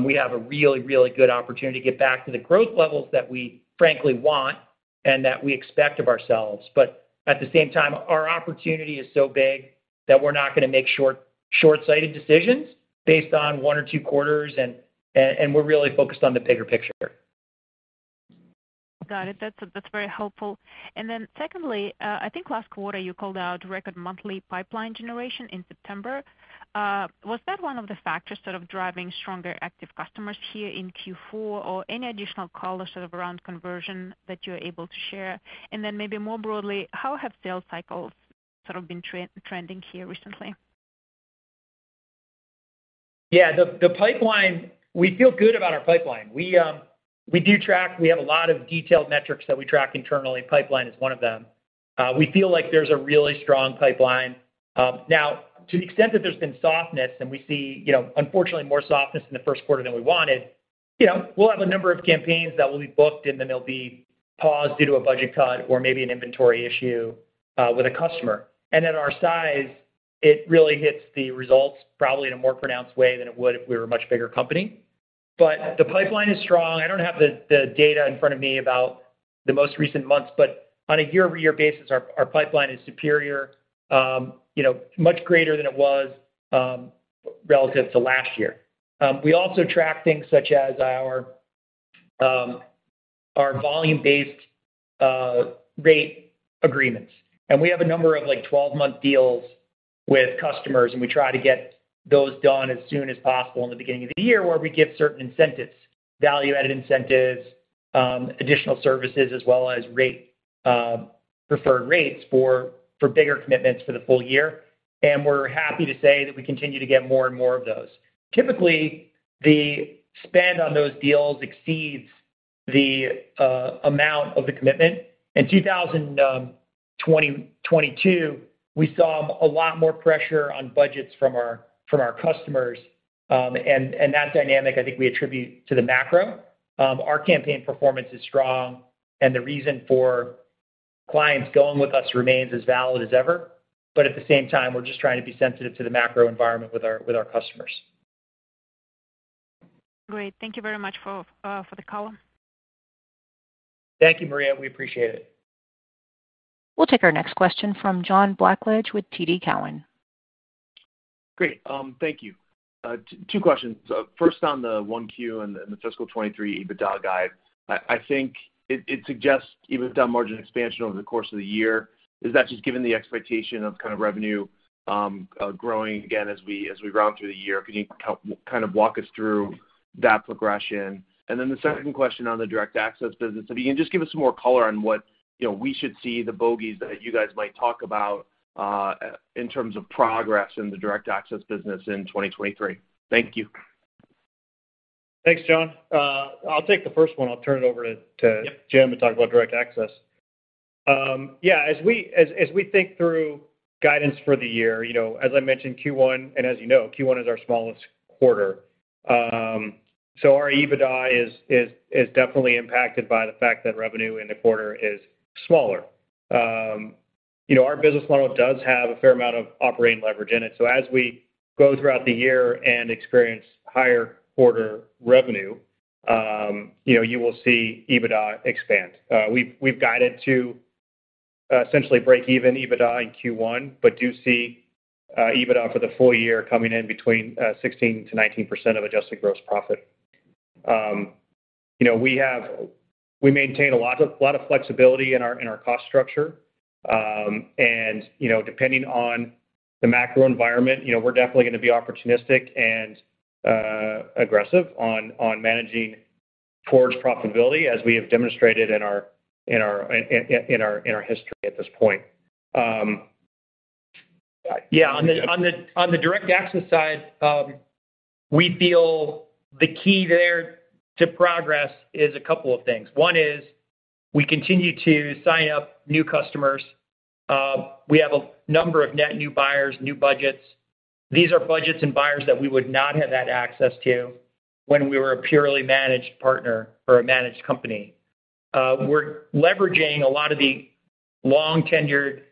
we have a really, really good opportunity to get back to the growth levels that we frankly want and that we expect of ourselves. At the same time, our opportunity is so big that we're not going to make short-sighted decisions based on one or two quarters and we're really focused on the bigger picture. Got it. That's, that's very helpful. I think last quarter you called out record monthly pipeline generation in September. Was that one of the factors sort of driving stronger active customers here in Q4? Any additional color sort of around conversion that you're able to share? Maybe more broadly, how have sales cycles sort of been trending here recently? Yeah. The, the pipeline, we feel good about our pipeline. We do track. We have a lot of detailed metrics that we track internally. Pipeline is one of them. We feel like there's a really strong pipeline. Now to the extent that there's been softness and we see, you know, unfortunately more softness in the first quarter than we wanted, you know, we'll have a number of campaigns that will be booked and then they'll be paused due to a budget cut or maybe an inventory issue with a customer. At our size, it really hits the results probably in a more pronounced way than it would if we were a much bigger company. The pipeline is strong. I don't have the data in front of me about the most recent months, but on a year-over-year basis, our pipeline is superior, you know, much greater than it was relative to last year. We also track things such as our volume-based rate agreements. We have a number of, like, 12-month deals with customers, and we try to get those done as soon as possible in the beginning of the year, where we give certain incentives, value-added incentives, additional services, as well as rate, preferred rates for bigger commitments for the full-year. We're happy to say that we continue to get more and more of those. Typically, the spend on those deals exceeds the amount of the commitment. In 2022, we saw a lot more pressure on budgets from our customers. That dynamic I think we attribute to the macro. Our campaign performance is strong, and the reason for clients going with us remains as valid as ever. At the same time, we're just trying to be sensitive to the macro environment with our customers. Great. Thank you very much for the color. Thank you, Maria. We appreciate it. We'll take our next question from John Blackledge with TD Cowen. Great. Thank you. Two questions. First on the Q1 and the fiscal 2023 EBITDA guide. I think it suggests EBITDA margin expansion over the course of the year. Is that just given the expectation of kind of revenue growing again as we round through the year? Can you help kind of walk us through that progression? Then the second question on the Direct Access business. If you can just give us some more color on what, you know, we should see the bogeys that you guys might talk about in terms of progress in the Direct Access business in 2023. Thank you. Thanks, John. I'll turn it over to Jim to talk about Direct Access. Yeah, as we think through guidance for the year, you know, as I mentioned, Q1, and as you know, Q1 is our smallest quarter. Our EBITDA is definitely impacted by the fact that revenue in the quarter is smaller. You know, our business model does have a fair amount of operating leverage in it. As we go throughout the year and experience higher quarter revenue, you know, you will see EBITDA expand. We've guided to essentially breakeven EBITDA in Q1, but do see EBITDA for the full-year coming in between 16%-19% of adjusted gross profit. You know, we maintain a lot of flexibility in our cost structure. You know, depending on the macro environment, you know, we're definitely gonna be opportunistic and aggressive on managing towards profitability as we have demonstrated in our history at this point. On the Direct Access side, we feel the key there to progress is a couple of things. One is we continue to sign up new customers. We have a number of net new buyers, new budgets. These are budgets and buyers that we would not have had access to when we were a purely managed partner or a managed company. We're leveraging a lot of the long-tenured,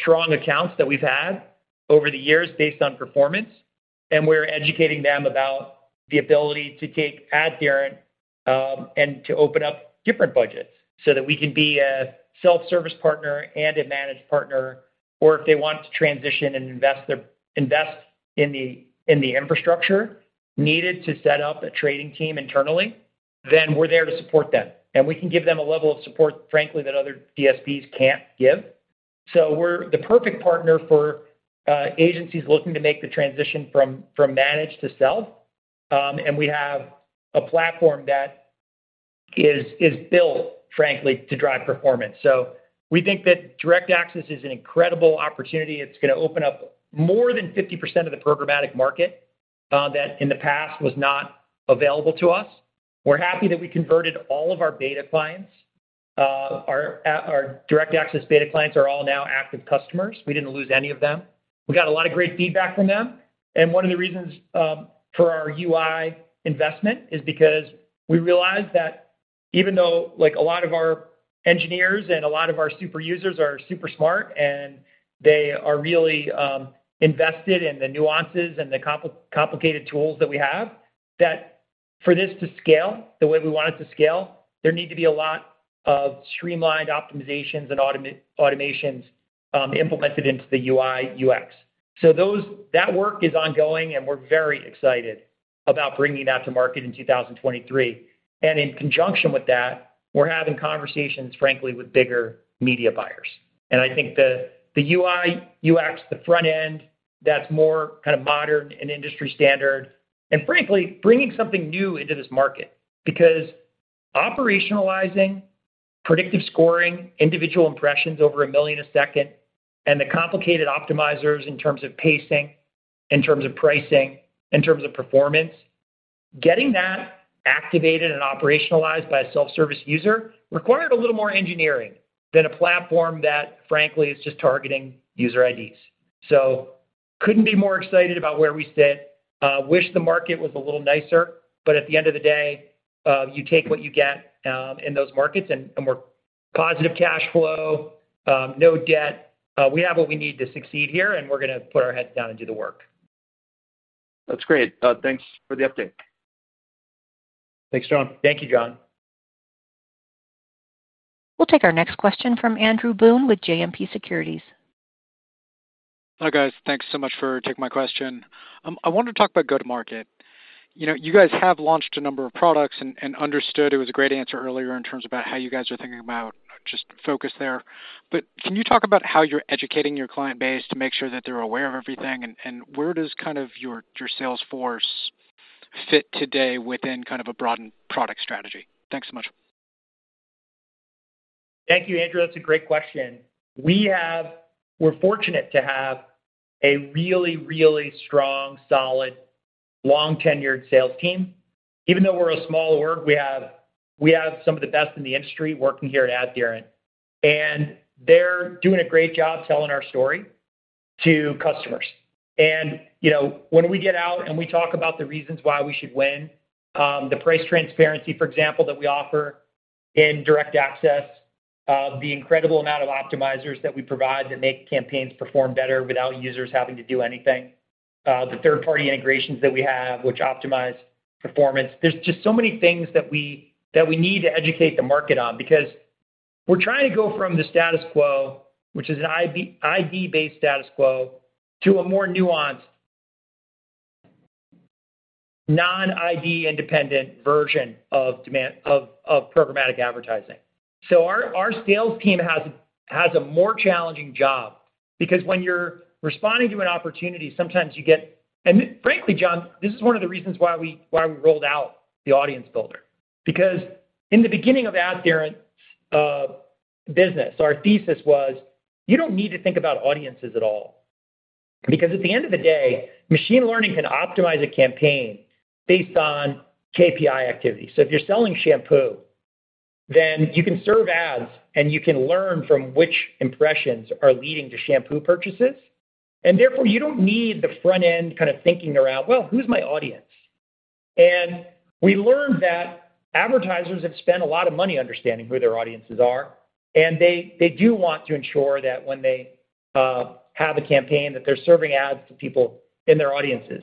strong accounts that we've had over the years based on performance, and we're educating them about the ability to take AdTheorent, and to open up different budgets so that we can be a self-service partner and a managed partner, or if they want to transition and invest in the infrastructure needed to set up a trading team internally, then we're there to support them. We can give them a level of support, frankly, that other DSPs can't give. We're the perfect partner for agencies looking to make the transition from managed to self. We have a platform that is built, frankly, to drive performance. We think that Direct Access is an incredible opportunity. It's gonna open up more than 50% of the programmatic market that in the past was not available to us. We're happy that we converted all of our beta clients. Our Direct Access beta clients are all now active customers. We didn't lose any of them. We got a lot of great feedback from them. One of the reasons for our UI investment is because we realized that even though, like, a lot of our engineers and a lot of our super users are super smart, and they are really invested in the nuances and the complicated tools that we have, that for this to scale the way we want it to scale, there need to be a lot of streamlined optimizations and automations implemented into the UI, UX. That work is ongoing, and we're very excited about bringing that to market in 2023. In conjunction with that, we're having conversations, frankly, with bigger media buyers. I think the UI, UX, the front end that's more kind of modern and industry standard, and frankly, bringing something new into this market because operationalizing predictive scoring individual impressions over 1 million a second and the complicated optimizers in terms of pacing, in terms of pricing, in terms of performance, getting that activated and operationalized by a self-service user required a little more engineering than a platform that frankly is just targeting user IDs. Couldn't be more excited about where we sit. Wish the market was a little nicer, but at the end of the day, you take what you get in those markets, and we're positive cash flow, no debt. We have what we need to succeed here, and we're going to put our heads down and do the work. That's great. Thanks for the update. Thanks, John. Thank you, John. We'll take our next question from Andrew Boone with JMP Securities. Hi, guys. Thanks so much for taking my question. I wanted to talk about go-to-market. You know, you guys have launched a number of products, and understood it was a great answer earlier in terms about how you guys are thinking about just focus there. Can you talk about how you're educating your client base to make sure that they're aware of everything, and where does kind of your sales force fit today within kind of a broadened product strategy? Thanks so much. Thank you, Andrew. That's a great question. We're fortunate to have a really strong, solid, long-tenured sales team. Even though we're a small org, we have some of the best in the industry working here at AdTheorent, and they're doing a great job telling our story to customers. You know, when we get out and we talk about the reasons why we should win, the price transparency, for example, that we offer in Direct Access, the incredible amount of optimizers that we provide that make campaigns perform better without users having to do anything, the third-party integrations that we have which optimize performance. There's just so many things that we need to educate the market on because we're trying to go from the status quo, which is an ID-based status quo, to a more nuanced, non-ID independent version of demand of programmatic advertising. Our sales team has a more challenging job because when you're responding to an opportunity, sometimes you get. Frankly, John, this is one of the reasons why we rolled out the Audience Builder. In the beginning of AdTheorent business, our thesis was, you don't need to think about audiences at all. At the end of the day, machine learning can optimize a campaign based on KPI activity. If you're selling shampoo, then you can serve ads, and you can learn from which impressions are leading to shampoo purchases. Therefore, you don't need the front-end kind of thinking around, well, who's my audience? We learned that advertisers have spent a lot of money understanding who their audiences are, and they do want to ensure that when they have a campaign, that they're serving ads to people in their audiences.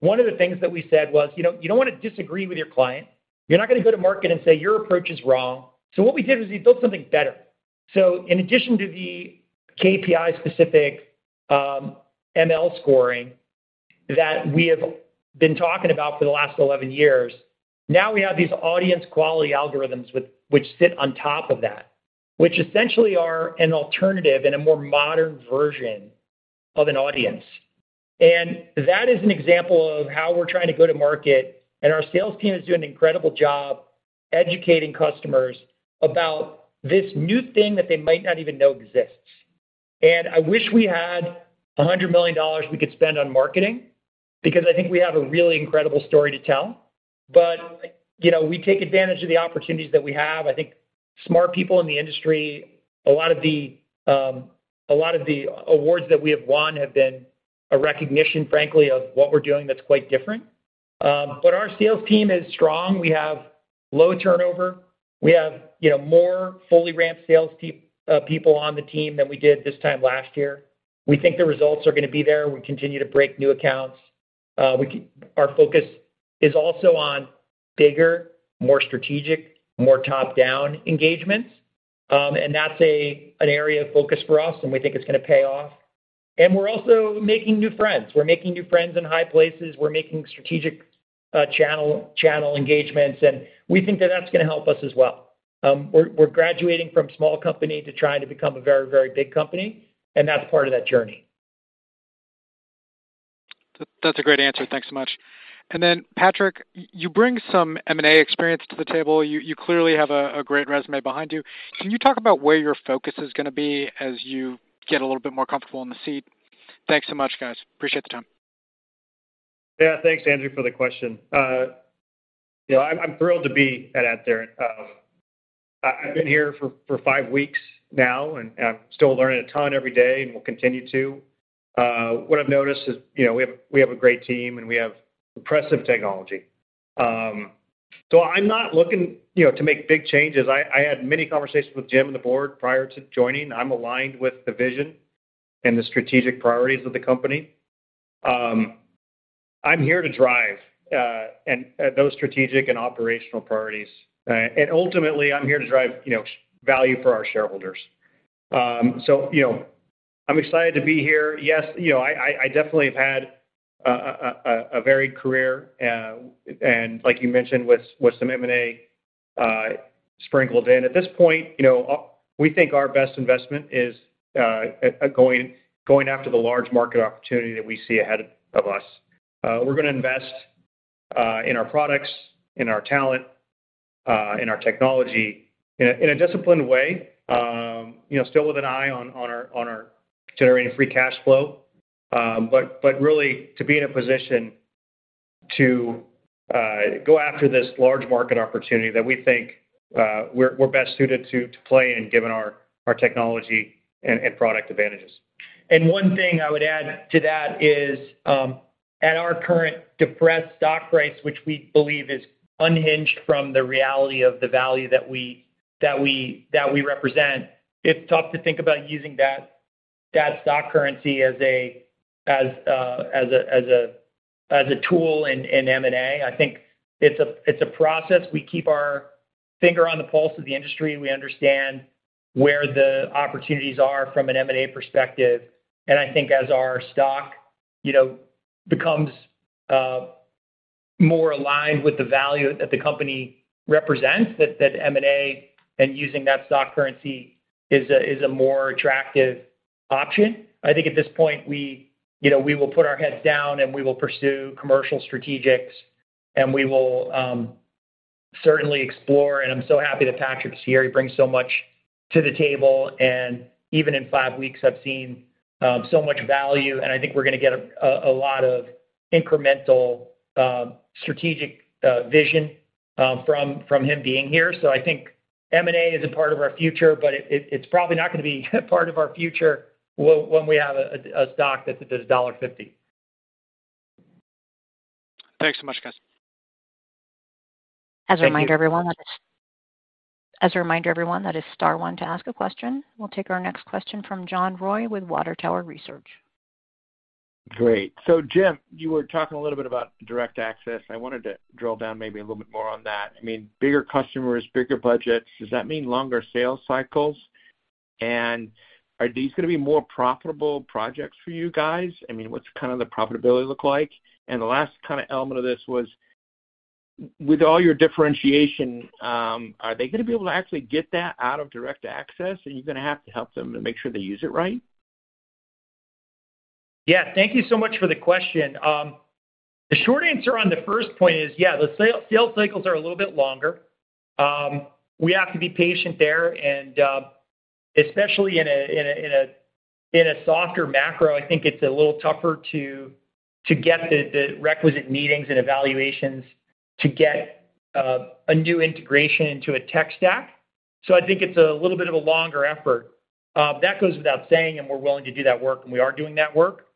One of the things that we said was, you know, you don't wanna disagree with your client. You're not gonna go to market and say, "Your approach is wrong." What we did was we built something better. In addition to the KPI-specific ML scoring that we have been talking about for the last 11 years, now we have these audience quality algorithms which sit on top of that, which essentially are an alternative and a more modern version of an audience. That is an example of how we're trying to go to market, and our sales team is doing an incredible job educating customers about this new thing that they might not even know exists. I wish we had $100 million we could spend on marketing because I think we have a really incredible story to tell. You know, we take advantage of the opportunities that we have. I think smart people in the industry, a lot of the awards that we have won have been a recognition, frankly, of what we're doing that's quite different. Our sales team is strong. We have low turnover. We have, you know, more fully ramped sales people on the team than we did this time last year. We think the results are gonna be there. We continue to break new accounts. Our focus is also on bigger, more strategic, more top-down engagements. That's an area of focus for us, and we think it's going to pay off. We're also making new friends. We're making new friends in high places. We're making strategic channel engagements, and we think that that's going to help us as well. We're graduating from small company to trying to become a very, very big company, and that's part of that journey. That's a great answer. Thanks so much. Patrick, you bring some M&A experience to the table. You clearly have a great resume behind you. Can you talk about where your focus is going to be as you get a little bit more comfortable in the seat? Thanks so much, guys. Appreciate the time. Yeah. Thanks, Andrew, for the question. You know, I'm thrilled to be at AdTheorent. I've been here for five weeks now, and I'm still learning a ton every day and will continue to. What I've noticed is, you know, we have a great team, and we have impressive technology. I'm not looking, you know, to make big changes. I had many conversations with Jim and the board prior to joining. I'm aligned with the vision and the strategic priorities of the company. I'm here to drive those strategic and operational priorities. Ultimately, I'm here to drive, you know, value for our shareholders. I'm excited to be here. Yes, you know, I definitely have had a varied career, and like you mentioned, with some M&A sprinkled in. At this point, you know, we think our best investment is going after the large market opportunity that we see ahead of us. We're gonna invest in our products, in our talent, in our technology in a disciplined way, you know, still with an eye on our generating free cash flow. Really to be in a position to go after this large market opportunity that we think we're best suited to play in given our technology and product advantages. One thing I would add to that is, at our current depressed stock price, which we believe is unhinged from the reality of the value that we represent, it's tough to think about using that stock currency as a tool in M&A. I think it's a process. We keep our finger on the pulse of the industry. We understand where the opportunities are from an M&A perspective. I think as our stock, you know, becomes more aligned with the value that the company represents, that M&A and using that stock currency is a more attractive option. I think at this point, we, you know, we will put our heads down, and we will pursue commercial strategics, and we will certainly explore. I'm so happy that Patrick is here. He brings so much to the table. Even in five weeks, I've seen so much value, and I think we're gonna get a lot of incremental strategic vision from him being here. I think M&A is a part of our future, but it's probably not gonna be part of our future when we have a stock that is $1.50. Thanks so much, guys. Thank you. As a reminder to everyone, that is star one to ask a question. We'll take our next question from John Roy with Water Tower Research. Great. Jim, you were talking a little bit about Direct Access. I wanted to drill down maybe a little bit more on that. I mean, bigger customers, bigger budgets, does that mean longer sales cycles? Are these gonna be more profitable projects for you guys? I mean, what's kind of the profitability look like? The last kind of element of this was, with all your differentiation, are they gonna be able to actually get that out of Direct Access, are you gonna have to help them to make sure they use it right? Yeah. Thank you so much for the question. The short answer on the first point is, yeah, the sale cycles are a little bit longer. We have to be patient there and especially in a softer macro, I think it's a little tougher to get the requisite meetings and evaluations to get a new integration into a tech stack. I think it's a little bit of a longer effort. That goes without saying, and we're willing to do that work, and we are doing that work.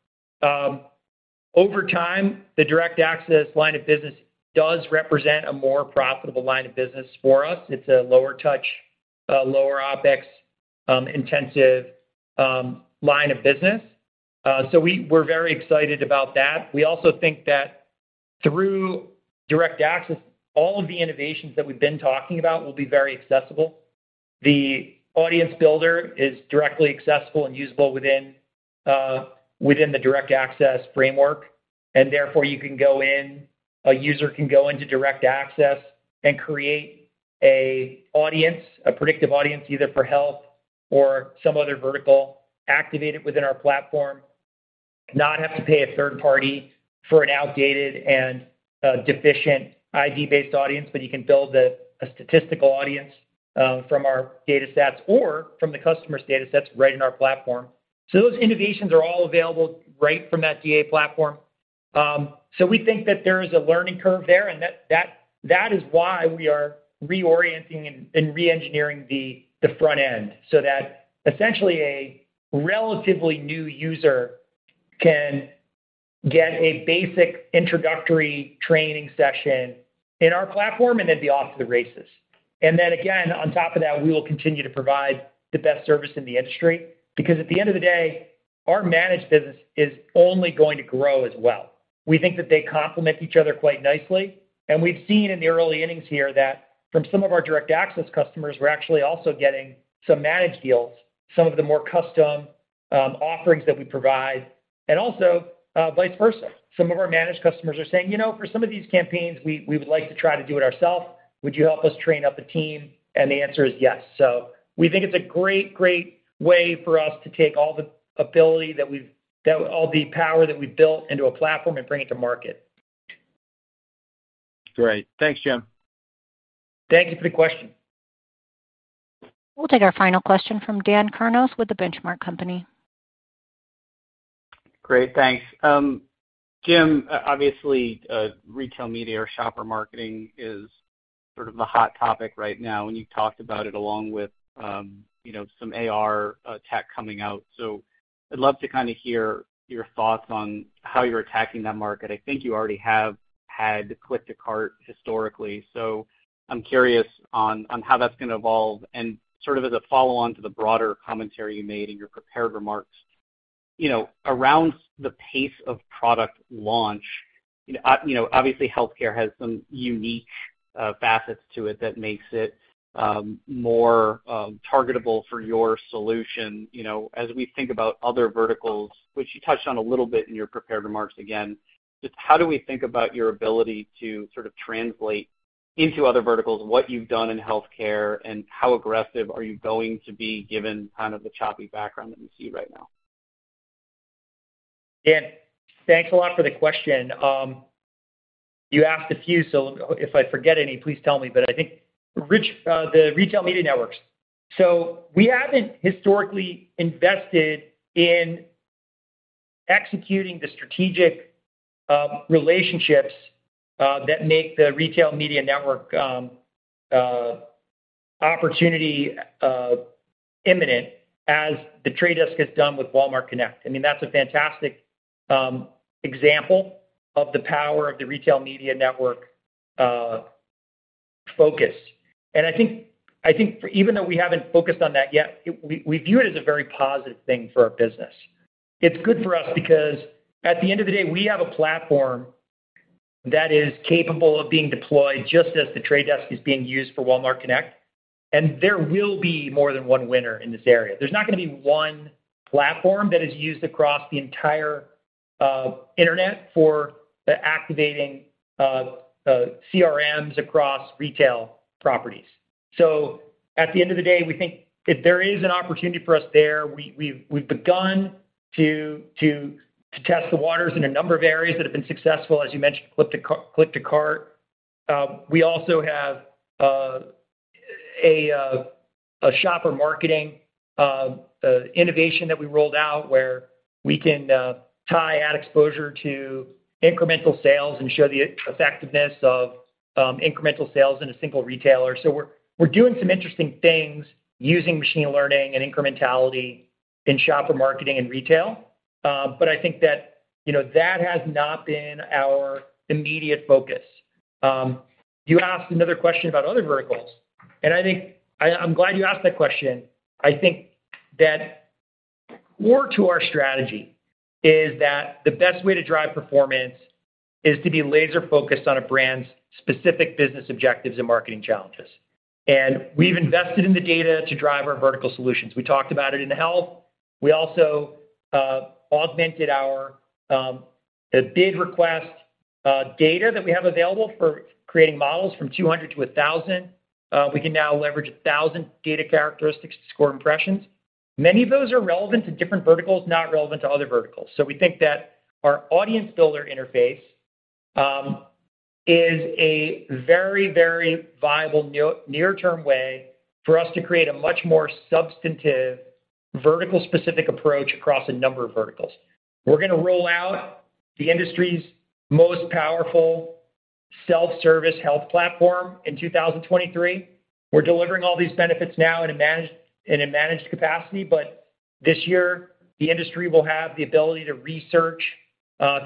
Over time, the Direct Access line of business does represent a more profitable line of business for us. It's a lower touch, lower OpEx intensive line of business. We're very excited about that. We also think that through Direct Access, all of the innovations that we've been talking about will be very accessible. The Audience Builder is directly accessible and usable within the Direct Access framework. A user can go into Direct Access and create a predictive audience, either for health or some other vertical, activate it within our platform, not have to pay a third party for an outdated and deficient ID-based audience, but you can build a statistical audience from our datasets or from the customer's datasets right in our platform. Those innovations are all available right from that DA platform. We think that there is a learning curve there, and that is why we are reorienting and re-engineering the front end, so that essentially a relatively new user can get a basic introductory training session in our platform, and they'd be off to the races. Then again, on top of that, we will continue to provide the best service in the industry because at the end of the day, our managed business is only going to grow as well. We think that they complement each other quite nicely, and we've seen in the early innings here that from some of our Direct Access customers, we're actually also getting some managed deals, some of the more custom offerings that we provide. Also, vice versa. Some of our managed customers are saying, "You know, for some of these campaigns, we would like to try to do it ourselves. Would you help us train up a team?" The answer is yes. We think it's a great way for us to take all the ability that we've all the power that we've built into a platform and bring it to market. Great. Thanks, Jim. Thank you for the question. We'll take our final question from Dan Kurnos with The Benchmark Company. Great, thanks. Jim, obviously, retail media or shopper marketing is sort of the hot topic right now, and you've talked about it along with, you know, some AR tech coming out. I'd love to kind of hear your thoughts on how you're attacking that market. I think you already have had click to cart historically, so I'm curious on how that's gonna evolve. Sort of as a follow-on to the broader commentary you made in your prepared remarks, you know, around the pace of product launch, you know, obviously healthcare has some unique facets to it that makes it more targetable for your solution. You know, as we think about other verticals, which you touched on a little bit in your prepared remarks again, just how do we think about your ability to sort of translate into other verticals what you've done in healthcare, and how aggressive are you going to be given kind of the choppy background that we see right now? Dan, thanks a lot for the question. You asked a few, if I forget any, please tell me. I think the retail media networks. We haven't historically invested in executing the strategic relationships that make the retail media network opportunity imminent as The Trade Desk has done with Walmart Connect. I mean, that's a fantastic example of the power of the retail media network focus. I think even though we haven't focused on that yet, we view it as a very positive thing for our business. It's good for us because at the end of the day, we have a platform that is capable of being deployed just as The Trade Desk is being used for Walmart Connect, and there will be more than one winner in this area. There's not gonna be one platform that is used across the entire internet for the activating of CRMs across retail properties. At the end of the day, we think if there is an opportunity for us there, we've begun to test the waters in a number of areas that have been successful. As you mentioned, click to cart. We also have a shopper marketing innovation that we rolled out where we can tie ad exposure to incremental sales and show the effectiveness of incremental sales in a single retailer. We're doing some interesting things using machine learning and incrementality in shopper marketing and retail. I think that, you know, that has not been our immediate focus. You asked another question about other verticals. I think I'm glad you asked that question. I think that core to our strategy is that the best way to drive performance is to be laser-focused on a brand's specific business objectives and marketing challenges. We've invested in the data to drive our vertical solutions. We talked about it in health. We also augmented our the bid request data that we have available for creating models from 200 to 1,000. We can now leverage 1,000 data characteristics to score impressions. Many of those are relevant to different verticals, not relevant to other verticals. We think that our Audience Builder Interface is a very, very viable near-term way for us to create a much more substantive vertical specific approach across a number of verticals. We're gonna roll out the industry's most powerful self-service health platform in 2023. We're delivering all these benefits now in a managed capacity, but this year, the industry will have the ability to research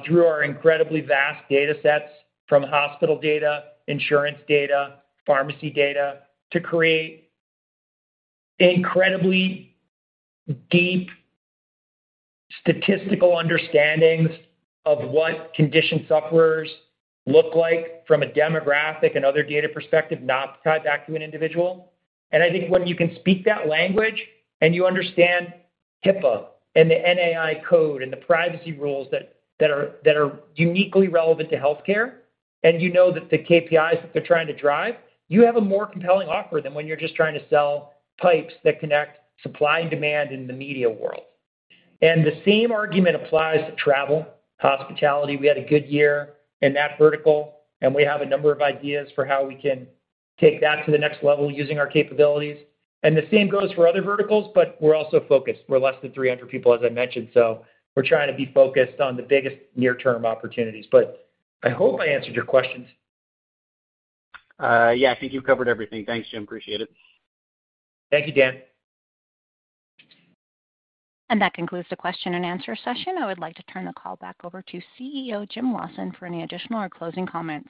through our incredibly vast datasets from hospital data, insurance data, pharmacy data to create incredibly deep statistical understandings of what condition sufferers look like from a demographic and other data perspective, not tied back to an individual. I think when you can speak that language and you understand HIPAA and the NAI Code and the privacy rules that are uniquely relevant to healthcare, and you know that the KPIs that they're trying to drive, you have a more compelling offer than when you're just trying to sell pipes that connect supply and demand in the media world. The same argument applies to travel, hospitality. We had a good year in that vertical, and we have a number of ideas for how we can take that to the next level using our capabilities. The same goes for other verticals. We're also focused. We're less than 300 people, as I mentioned. We're trying to be focused on the biggest near-term opportunities. I hope I answered your questions. Yeah. I think you've covered everything. Thanks, Jim. Appreciate it. Thank you, Dan. That concludes the question and answer session. I would like to turn the call back over to CEO, Jim Lawson, for any additional or closing comments.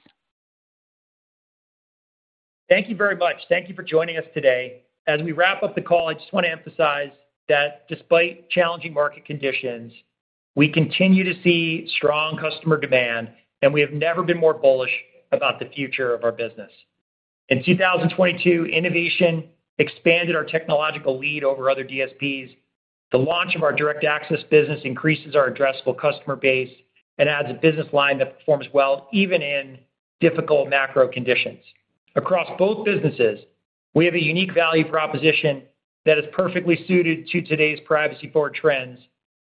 Thank you very much. Thank you for joining us today. As we wrap up the call, I just wanna emphasize that despite challenging market conditions, we continue to see strong customer demand, and we have never been more bullish about the future of our business. In 2022, innovation expanded our technological lead over other DSPs. The launch of our Direct Access business increases our addressable customer base and adds a business line that performs well, even in difficult macro conditions. Across both businesses, we have a unique value proposition that is perfectly suited to today's privacy-forward trends,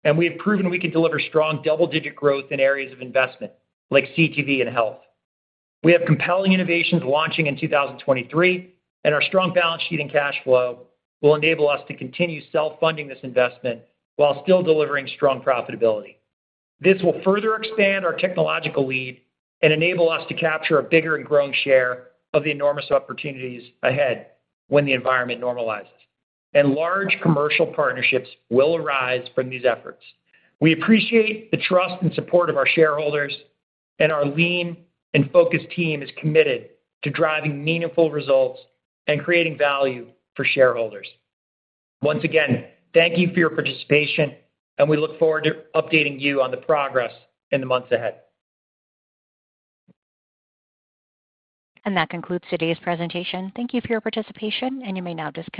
and we have proven we can deliver strong double-digit growth in areas of investment, like CTV and health. We have compelling innovations launching in 2023, and our strong balance sheet and cash flow will enable us to continue self-funding this investment while still delivering strong profitability. This will further expand our technological lead and enable us to capture a bigger and growing share of the enormous opportunities ahead when the environment normalizes. Large commercial partnerships will arise from these efforts. We appreciate the trust and support of our shareholders, and our lean and focused team is committed to driving meaningful results and creating value for shareholders. Once again, thank you for your participation, and we look forward to updating you on the progress in the months ahead. That concludes today's presentation. Thank you for your participation, and you may now disconnect.